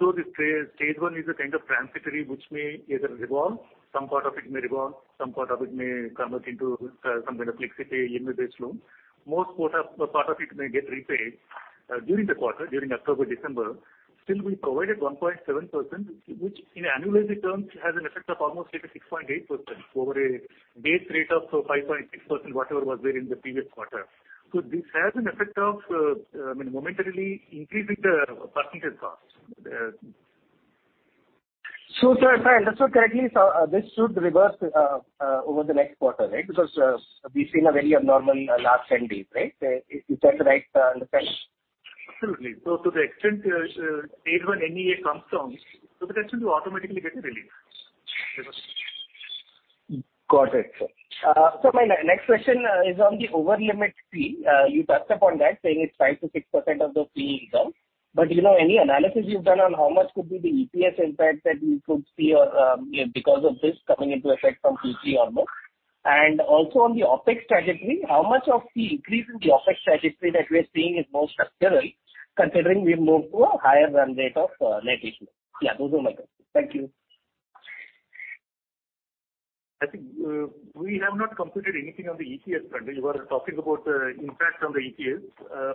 Though the Stage 1 is a kind of transitory which may either revolve, some part of it may revolve, some part of it may convert into some kind of fixed rate limit-based loan. Most part of it may get repaid during the quarter, during October, December. Still, we provided 1.7%, which in annualized terms has an effect of almost like a 6.8% over a base rate of 5.6%, whatever was there in the previous quarter. This has an effect of, I mean, momentarily increasing the percentage cost. sir, if I understand correctly, this should reverse over the next quarter, right? Because we've seen a very abnormal last ten days, right? Is that the right understanding? Absolutely. To the extent Stage 1 NEA comes down, so to that extent you automatically get a relief. Got it, sir. My next question is on the over limit fee. You touched upon that, saying it's 5%-6% of the fee income. You know, any analysis you've done on how much could be the EPS impact that we could see or because of this coming into effect from Q3 or more? Also on the OpEx trajectory, how much of the increase in the OpEx trajectory that we're seeing is more structural, considering we've moved to a higher run rate of net issue? Yeah, those are my questions. Thank you. I think we have not computed anything on the EPS front. You are talking about the impact on the EPS.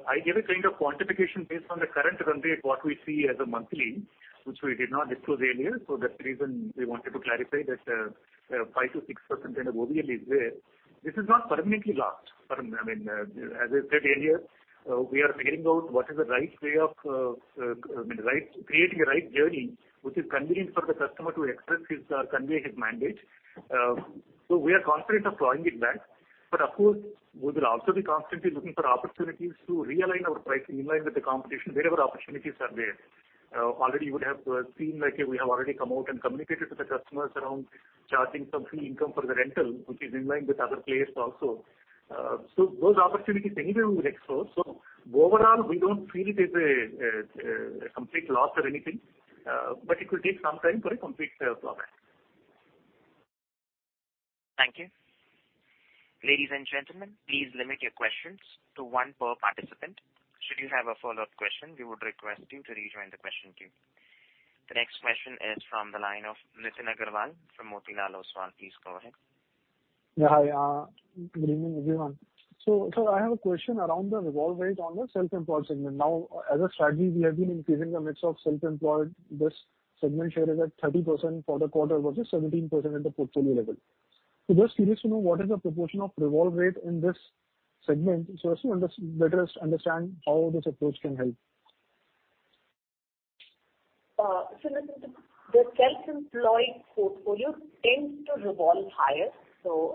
I gave a kind of quantification based on the current run rate, what we see as a monthly, which we did not disclose earlier. That's the reason we wanted to clarify that, 5%-6% kind of OVL is there. This is not permanently lost, Param. I mean, as I said earlier, we are figuring out what is the right way of, I mean, right, creating a right journey which is convenient for the customer to express his or convey his mandate. We are confident of drawing it back. Of course, we will also be constantly looking for opportunities to realign our pricing in line with the competition wherever opportunities are there. Already you would have seen like we have already come out and communicated to the customers around charging some fee income for the rental, which is in line with other players also. Those opportunities anyway we will explore. Overall, we don't feel it is a complete loss or anything, but it will take some time for a complete comeback. Thank you. Ladies and gentlemen, please limit your questions to one per participant. Should you have a follow-up question, we would request you to rejoin the question queue. The next question is from the line of Nitin Agarwal from Motilal Oswal. Please go ahead. Yeah. Hi. Good evening, everyone. I have a question around the revolve rate on the self-employed segment. Now, as a strategy, we have been increasing the mix of self-employed. This segment share is at 30% for the quarter versus 17% at the portfolio level. Just curious to know what is the proportion of revolve rate in this segment so as to better understand how this approach can help. Nitin, the self-employed portfolio tends to revolve higher,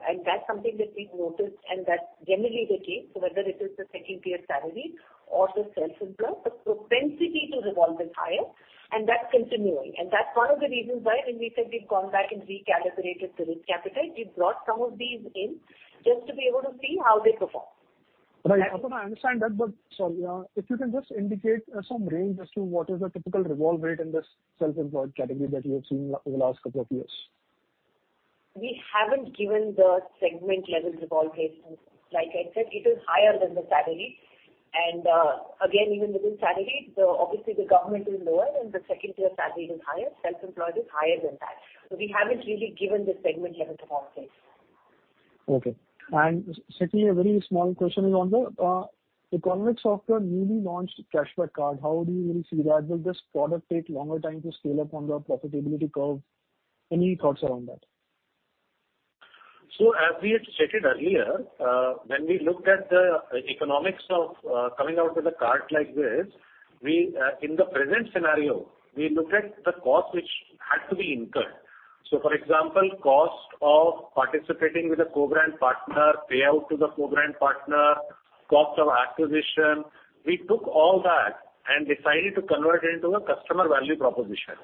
and that's something that we've noticed, and that's generally the case, whether it is the second tier salary or the self-employed. The propensity to revolve is higher, and that's continuing. That's one of the reasons why when we said we've gone back and recalibrated the risk appetite, we brought some of these in just to be able to see how they perform. Right. Aparna, I understand that, but sorry, if you can just indicate some range as to what is the typical revolve rate in this self-employed category that you have seen over the last couple of years. We haven't given the segment level revolve rates. Like I said, it is higher than the salaried. Again, even within salaried, obviously, the government is lower and the second tier salaried is higher. Self-employed is higher than that. We haven't really given the segment level revolve rates. Okay. Sir, a very small question is on the economics of your newly launched cashback card. How do you really see that? Will this product take longer time to scale up on the profitability curve? Any thoughts around that? As we had stated earlier, when we looked at the economics of coming out with a card like this, in the present scenario, we looked at the cost which had to be incurred. For example, cost of participating with a co-brand partner, payout to the co-brand partner, cost of acquisition, we took all that and decided to convert it into a customer value proposition.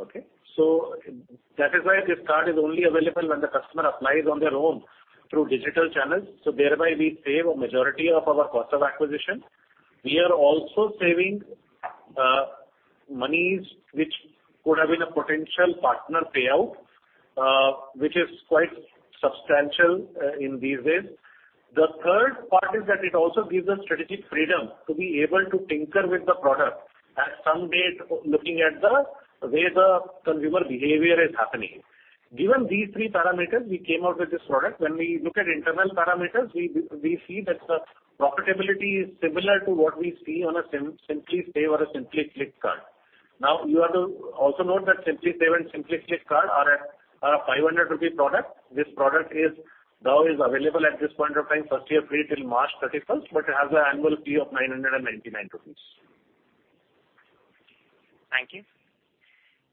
Okay? That is why this card is only available when the customer applies on their own through digital channels. Thereby we save a majority of our cost of acquisition. We are also saving monies which could have been a potential partner payout, which is quite substantial in these days. The third part is that it also gives us strategic freedom to be able to tinker with the product at some date looking at the way the consumer behavior is happening. Given these three parameters, we came out with this product. When we look at internal parameters, we see that the profitability is similar to what we see on a SimplySAVE or a SimplyCLICK card. Now, you have to also note that SimplySAVE and SimplyCLICK card are an 500 rupee product. This product is now available at this point of time first year free till March 31, but it has an annual fee of 999 rupees. Thank you.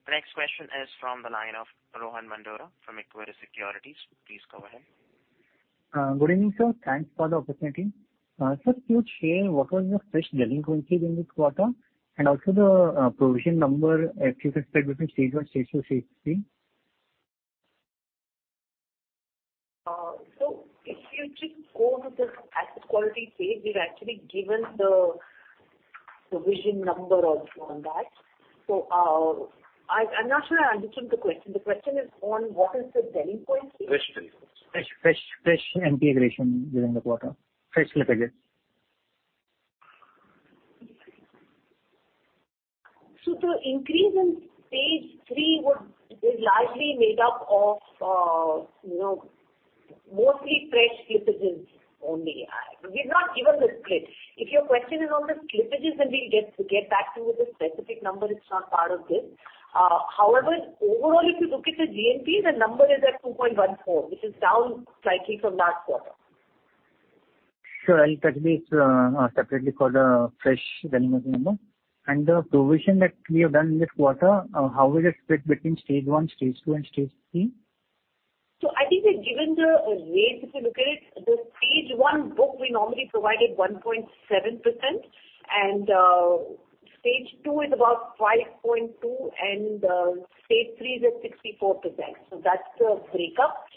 The next question is from the line of Rohan Mandora from Equirus Securities. Please go ahead. Good evening, sir. Thanks for the opportunity. Sir, could you share what was your fresh delinquency during this quarter, and also the provision number if you could split between Stage 1, Stage 2, Stage 3? If you just go to the asset quality page, we've actually given the provision number also on that. I'm not sure I understood the question. The question is on what is the delinquency? Fresh delinquencies. Fresh NPA creation during the quarter. Fresh slippages. The increase in Stage 3 is largely made up of, you know, mostly fresh slippages only. We've not given the split. If your question is on the slippages, then we'll get back to you with the specific number. It's not part of this. However, overall, if you look at the GNPA, the number is at 2.14%, which is down slightly from last quarter. Sure. I'll touch base separately for the fresh delinquency number. The provision that you have done in this quarter, how is it split between Stage 1, Stage 2 and Stage 3? I think that given the rates, if you look at it, the Stage 1 book, we normally provide at 1.7%, and Stage 2 is about 5.2%, and Stage 3 is at 64%. That's the breakup.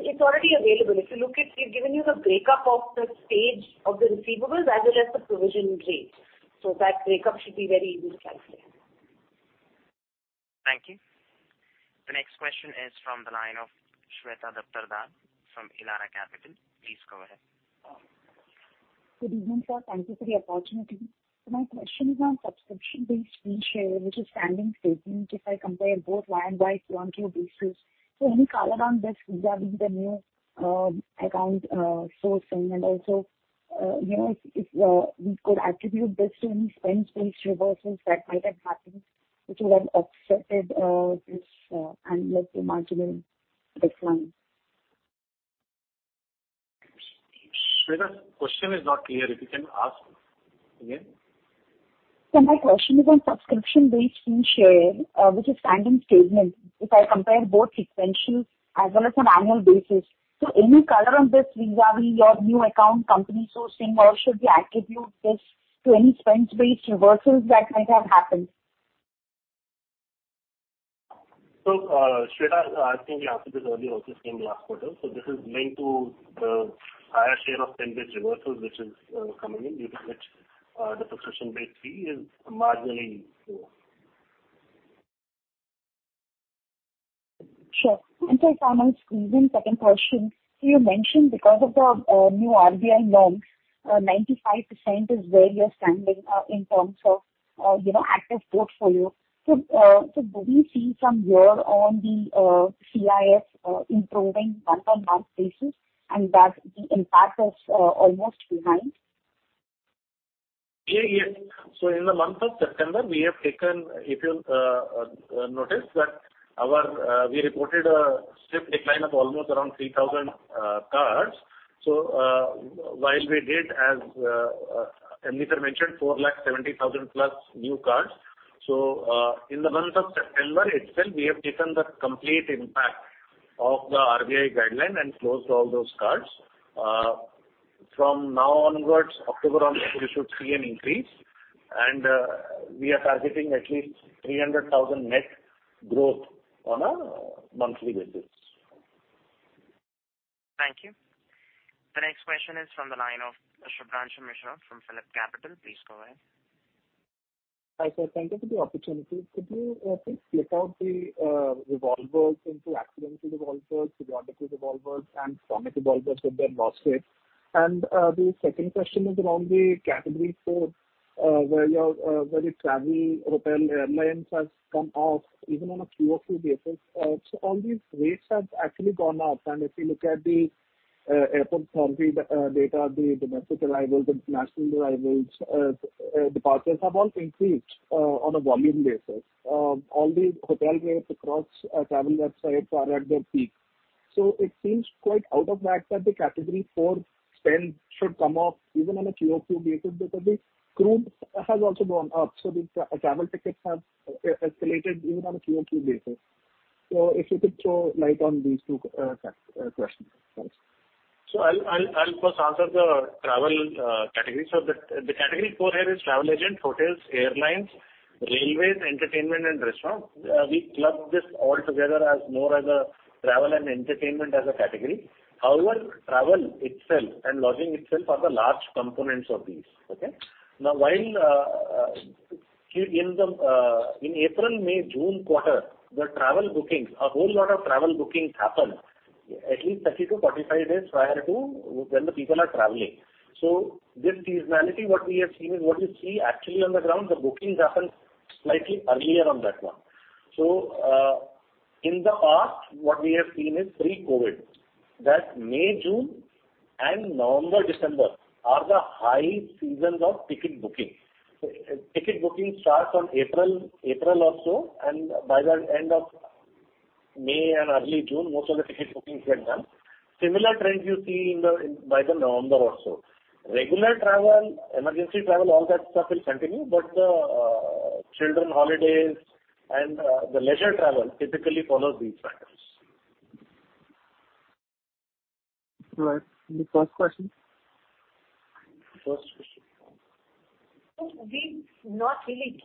It's already available. If you look at, we've given you the breakup of the stage of the receivables as well as the provision rate. That breakup should be very easy to calculate. Thank you. The next question is from the line of Shweta Daptardar from Elara Capital. Please go ahead. Good evening, sir. Thank you for the opportunity. Sir my question is on subscription bills fee share, we share which is standing stagnant if I compare both sequential as well as on annual basis so any color on this vis-à-vis your new account company sourcing or should we attribute this to any spends based reversal that might have happened? Shweta, question is not clear. If you can ask again. Shweta, I think we answered this earlier also in the last quarter. This is linked to the higher share of spend-based reversals which is coming in due to which the subscription-based fee is marginally low. Sure. Sir, final, second question. You mentioned because of the new RBI norms, 95% is where you're standing in terms of you know, active portfolio. Do we see some year-on-year on the CIF improving month-on-month basis, and that the impact is almost behind? Yeah. In the month of September, we have taken, if you'll notice that we reported a steep decline of almost around 3,000 cards. While we did, as Hemant mentioned, 470,000 plus new cards. In the month of September itself, we have taken the complete impact of the RBI guideline and closed all those cards. From now onwards, October onwards, you should see an increase and we are targeting at least 300,000 net growth on a monthly basis. Thank you. The next question is from the line of Shubhranshu Mishra from PhillipCapital. Please go ahead. Hi, sir. Thank you for the opportunity. Could you please split out the revolvers into accidental revolvers, periodic revolvers, and chronic revolvers with their loss rates? The second question is around the category four, where the travel, hotel, airlines has come off even on a quarter-over-quarter basis. All these rates have actually gone up. If you look at the airport survey data, the domestic arrivals, the international arrivals, departures have all increased on a volume basis. All the hotel rates across travel websites are at their peak. It seems quite out of whack that the category four spend should come off even on a quarter-over-quarter basis because the group has also gone up. The travel tickets have escalated even on a quarter-over-quarter basis. If you could throw light on these two facts, questions. Thanks. I'll first answer the travel category. The category for here is travel agent, hotels, airlines, railways, entertainment, and restaurants. We club this all together as more of a travel and entertainment category. However, travel itself and lodging itself are the large components of these. Okay. While in the April, May, June quarter, the travel bookings, a whole lot of travel bookings happen at least 30-45 days prior to when the people are traveling. This seasonality, what we have seen is what you see actually on the ground, the bookings happen slightly earlier on that one. In the past, what we have seen is pre-COVID, that May, June, and November, December are the high seasons of ticket booking. Ticket booking starts on April or so, and by the end of May and early June, most of the ticket bookings get done. Similar trends you see by November also. Regular travel, emergency travel, all that stuff will continue, but the children holidays and the leisure travel typically follow these patterns. Right. The first question? First question. We've not really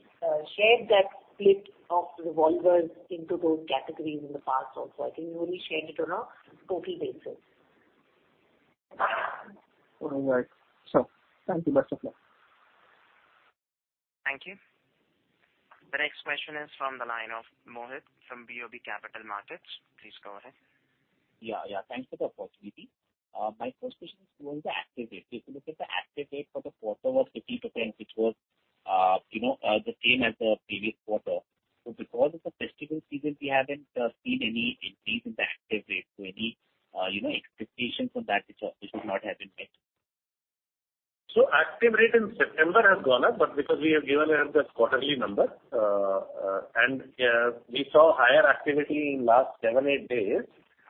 shared that split of revolvers into those categories in the past also. I think we only shared it on a total basis. All right. Thank you. Best of luck. Thank you. The next question is from the line of Mohit from BOB Capital Markets. Please go ahead. Yeah, yeah. Thanks for the opportunity. My first question is around the active rate. If you look at the active rate for the quarter was 50%, which was, you know, the same as the previous quarter. Because of the festival season, we haven't seen any increase in the active rate. Any, you know, expectation from that which would not have been met. Active rate in September has gone up, but because we have given out the quarterly number, and we saw higher activity in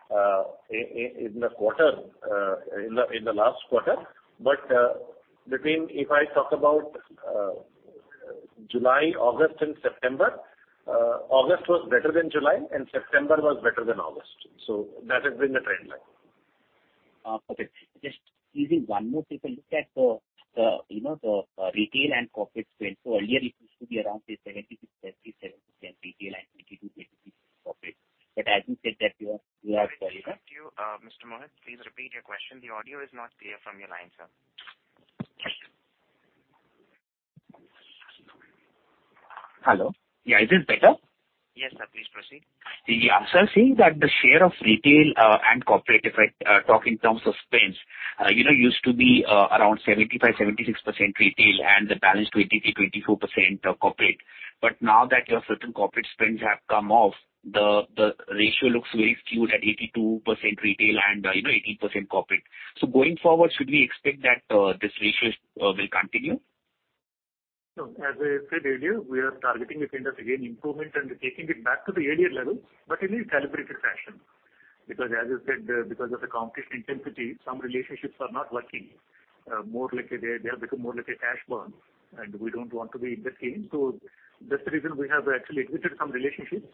the last 7-8 days in the last quarter. If I talk about July, August and September, August was better than July and September was better than August. That has been the trend line. Okay. Just giving one more. If I look at the retail and corporate spend. Earlier it used to be around say 70%-77% retail and 22%-23% corporate. But as you said that you are We can't hear you, Mr. Mohit. Please repeat your question. The audio is not clear from your line, sir. Hello. Yeah. Is it better? Yes, sir. Please proceed. Seeing that the share of retail and corporate, if I talk in terms of spends, you know, used to be around 75-76% retail and the balance 20%-24% corporate. Now that your certain corporate spends have come off, the ratio looks very skewed at 82% retail and, you know, 18% corporate. Going forward, should we expect that this ratio will continue? No. As I said earlier, we are targeting it into again improvement and taking it back to the earlier level, but in a calibrated fashion. Because as you said, because of the competition intensity, some relationships are not working. More like a, they have become more like a cash burn, and we don't want to be in this game. That's the reason we have actually exited some relationships.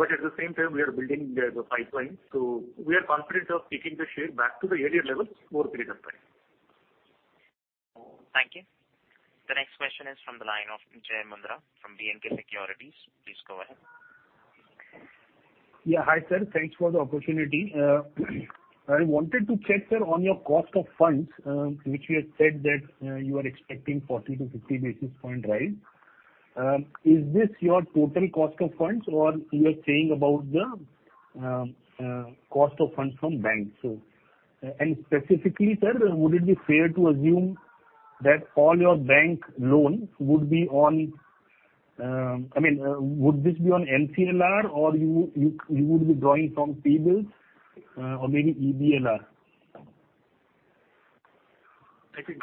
At the same time, we are building the pipeline. We are confident of taking the share back to the earlier level over a period of time. Thank you. The next question is from the line of Jai Mundhra from B&K Securities. Please go ahead. Yeah. Hi, sir. Thanks for the opportunity. I wanted to check, sir, on your cost of funds, which you had said that you are expecting 40-50 basis points rise. Is this your total cost of funds or you are saying about the cost of funds from banks? Specifically, sir, would it be fair to assume that all your bank loans would be on, I mean, would this be on MCLR or you would be drawing from T-bills or maybe EBLR? I think,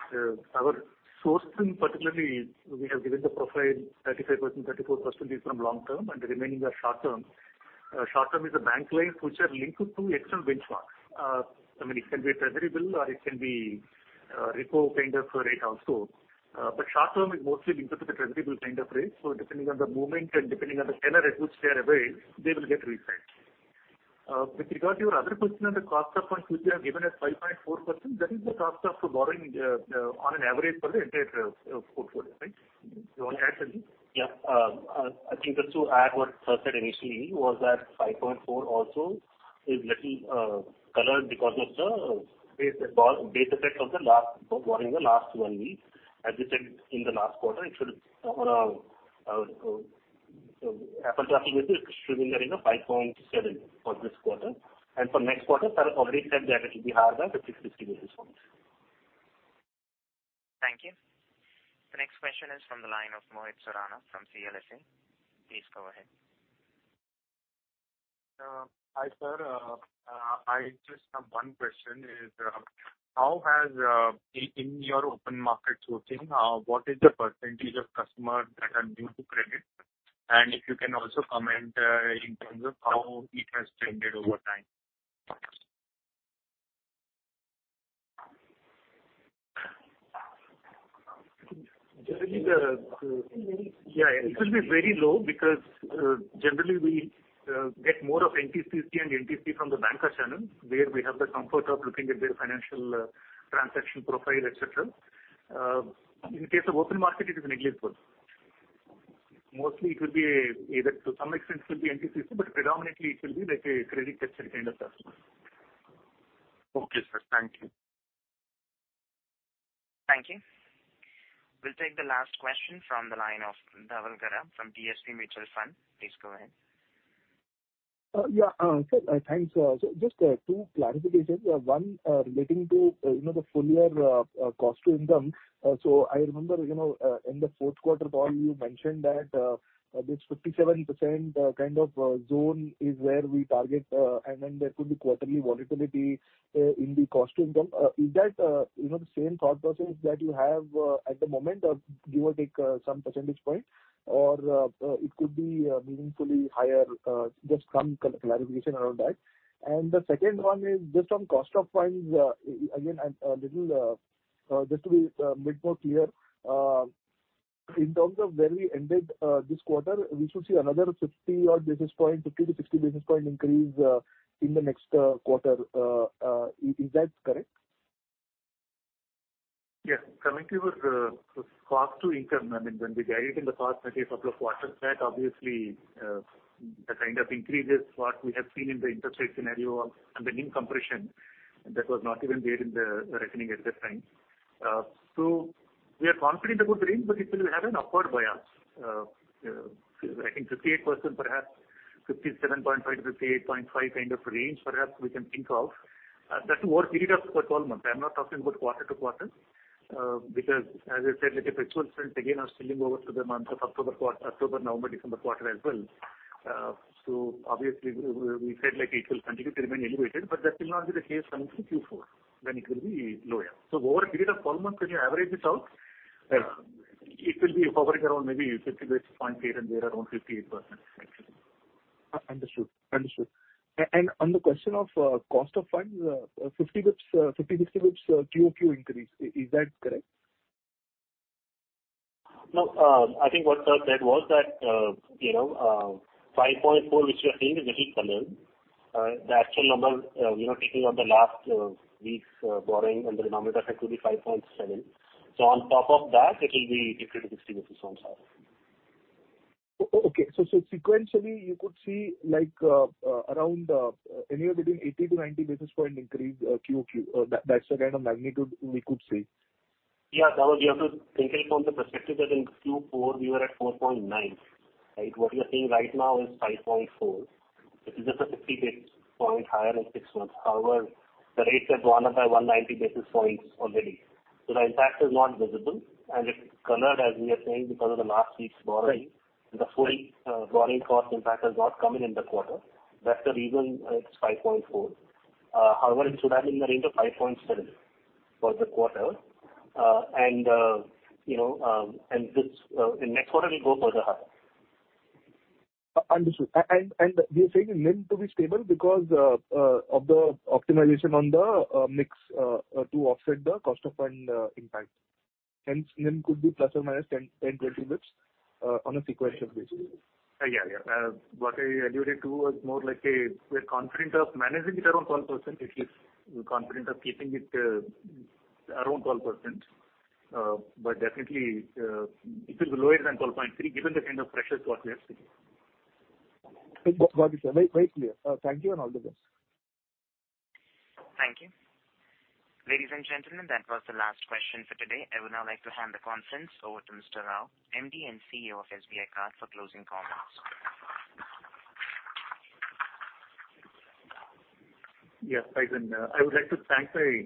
our sourcing in particular, we have given the profile 35%, 34% is from long-term and the remaining are short-term. Short-term is bank loans which are linked to external benchmarks. I mean it can be a treasury bill or it can be a repo kind of rate also. Short-term is mostly linked to the treasury bill kind of rate. Depending on the movement and depending on the tenor at which they are rated, they will get reset. With regard to your other question on the cost of funds, which we have given as 5.4%, that is the cost of borrowing, on average for the entire portfolio. Right? You wanna add something? Yeah. I think just to add what sir said initially was that 5.4% also is little colored because of the base effect of the last one week. As we said in the last quarter, so after tax, it should be in the range of 5.7% for this quarter. For next quarter, sir has already said that it will be higher than 50-60 basis points. Thank you. The next question is from the line of Mohit Surana from CLSA. Please go ahead. Hi, sir. I just have one question is how has in your open market sourcing what is the percentage of customers that are new to credit? If you can also comment in terms of how it has changed over time. Generally, it will be very low because generally we get more of NTCC and NTC from the BANCA channel, where we have the comfort of looking at their financial transaction profile, et cetera. In case of open market, it is negligible. Mostly it will be either to some extent it will be NTCC, but predominantly it will be like a credit-tested kind of customer. Okay, sir. Thank you. Thank you. We'll take the last question from the line of Dhaval Gada from DSP Mutual Fund. Please go ahead. Yeah. Sir, thanks. Just two clarifications. One relating to, you know, the full year cost to income. I remember, you know, in the fourth quarter call, you mentioned that this 57% kind of zone is where we target, and then there could be quarterly volatility in the cost to income. Is that, you know, the same thought process that you have at the moment of give or take some percentage point or it could be meaningfully higher? Just some clarification around that. The second one is just on cost of funds. Again, just to be a bit more clear, in terms of where we ended this quarter, we should see another 50-odd basis points, 50-60 basis points increase in the next quarter. Is that correct? Yes. Coming to your cost to income, I mean, when we guided in the past, let's say couple of quarters back, obviously, the kind of increases what we have seen in the interest rate scenario and the NIM compression, that was not even there in the reckoning at that time. So we are confident about the range, but it will have an upward bias. I think 58%, perhaps 57.5%-58.5% kind of range perhaps we can think of. That's over a period of 12 months. I'm not talking about quarter to quarter. Because as I said, like if actual trends again are spilling over to the month of October, November, December quarter as well. Obviously we said like it will continue to remain elevated, but that will not be the case coming to Q4, then it will be lower. Over a period of 12 months, when you average it out, it will be hovering around maybe 50 basis points here and there around 58% actually. Understood. On the question of cost of funds, 50-60 basis points quarter-over-quarter increase. Is that correct? No, I think what sir said was that, you know, 5.4%, which we are seeing, is a bit colored. The actual number, you know, taking out the last week's borrowing and the denominator effect will be 5.7%. On top of that it will be 50-60 basis points up. Okay. Sequentially, you could see like around anywhere between 80-90 basis point increase quarter-over-quarter. That's the kind of magnitude we could see. Yeah. Dhaval, you have to think it from the perspective that in Q4 we were at 4.9%. Right? What you are seeing right now is 5.4%, which is just a 50 basis point higher in six months. However, the rates have gone up by 190 basis points already. So the impact is not visible and it's colored as we are saying because of the last week's borrowing. Right. The full borrowing cost impact has not come in the quarter. That's the reason it's 5.4%. However, it should be in the range of 5.7% for the quarter. You know, in next quarter will go further higher. Understood. We are saying the NIM to be stable because of the optimization on the mix to offset the cost of fund impact. Hence, NIM could be ±10-20 basis points on a sequential basis. What I alluded to was more like we're confident of managing it around 12%, at least we're confident of keeping it around 12%. But definitely, it will be lower than 12.3%, given the kind of pressures what we are seeing. Got it, sir. Very, very clear. Thank you and all the best. Thank you. Ladies and gentlemen, that was the last question for today. I would now like to hand the conference over to Mr. Rao, MD and CEO of SBI Card for closing comments. Yes. Thanks, I would like to thank my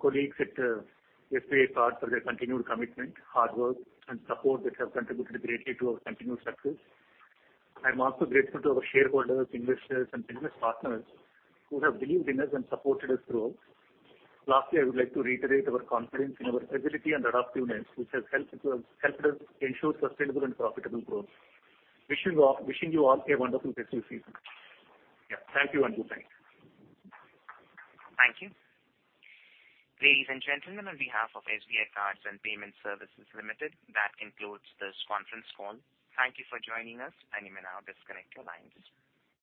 colleagues at SBI Card for their continued commitment, hard work and support that have contributed greatly to our continuous success. I'm also grateful to our shareholders, investors and business partners who have believed in us and supported us through. Lastly, I would like to reiterate our confidence in our agility and adaptiveness, which has helped us ensure sustainable and profitable growth. Wishing you all a wonderful festive season. Yeah. Thank you and good night. Thank you. Ladies and gentlemen, on behalf of SBI Cards and Payment Services Limited, that concludes this conference call. Thank you for joining us and you may now disconnect your lines.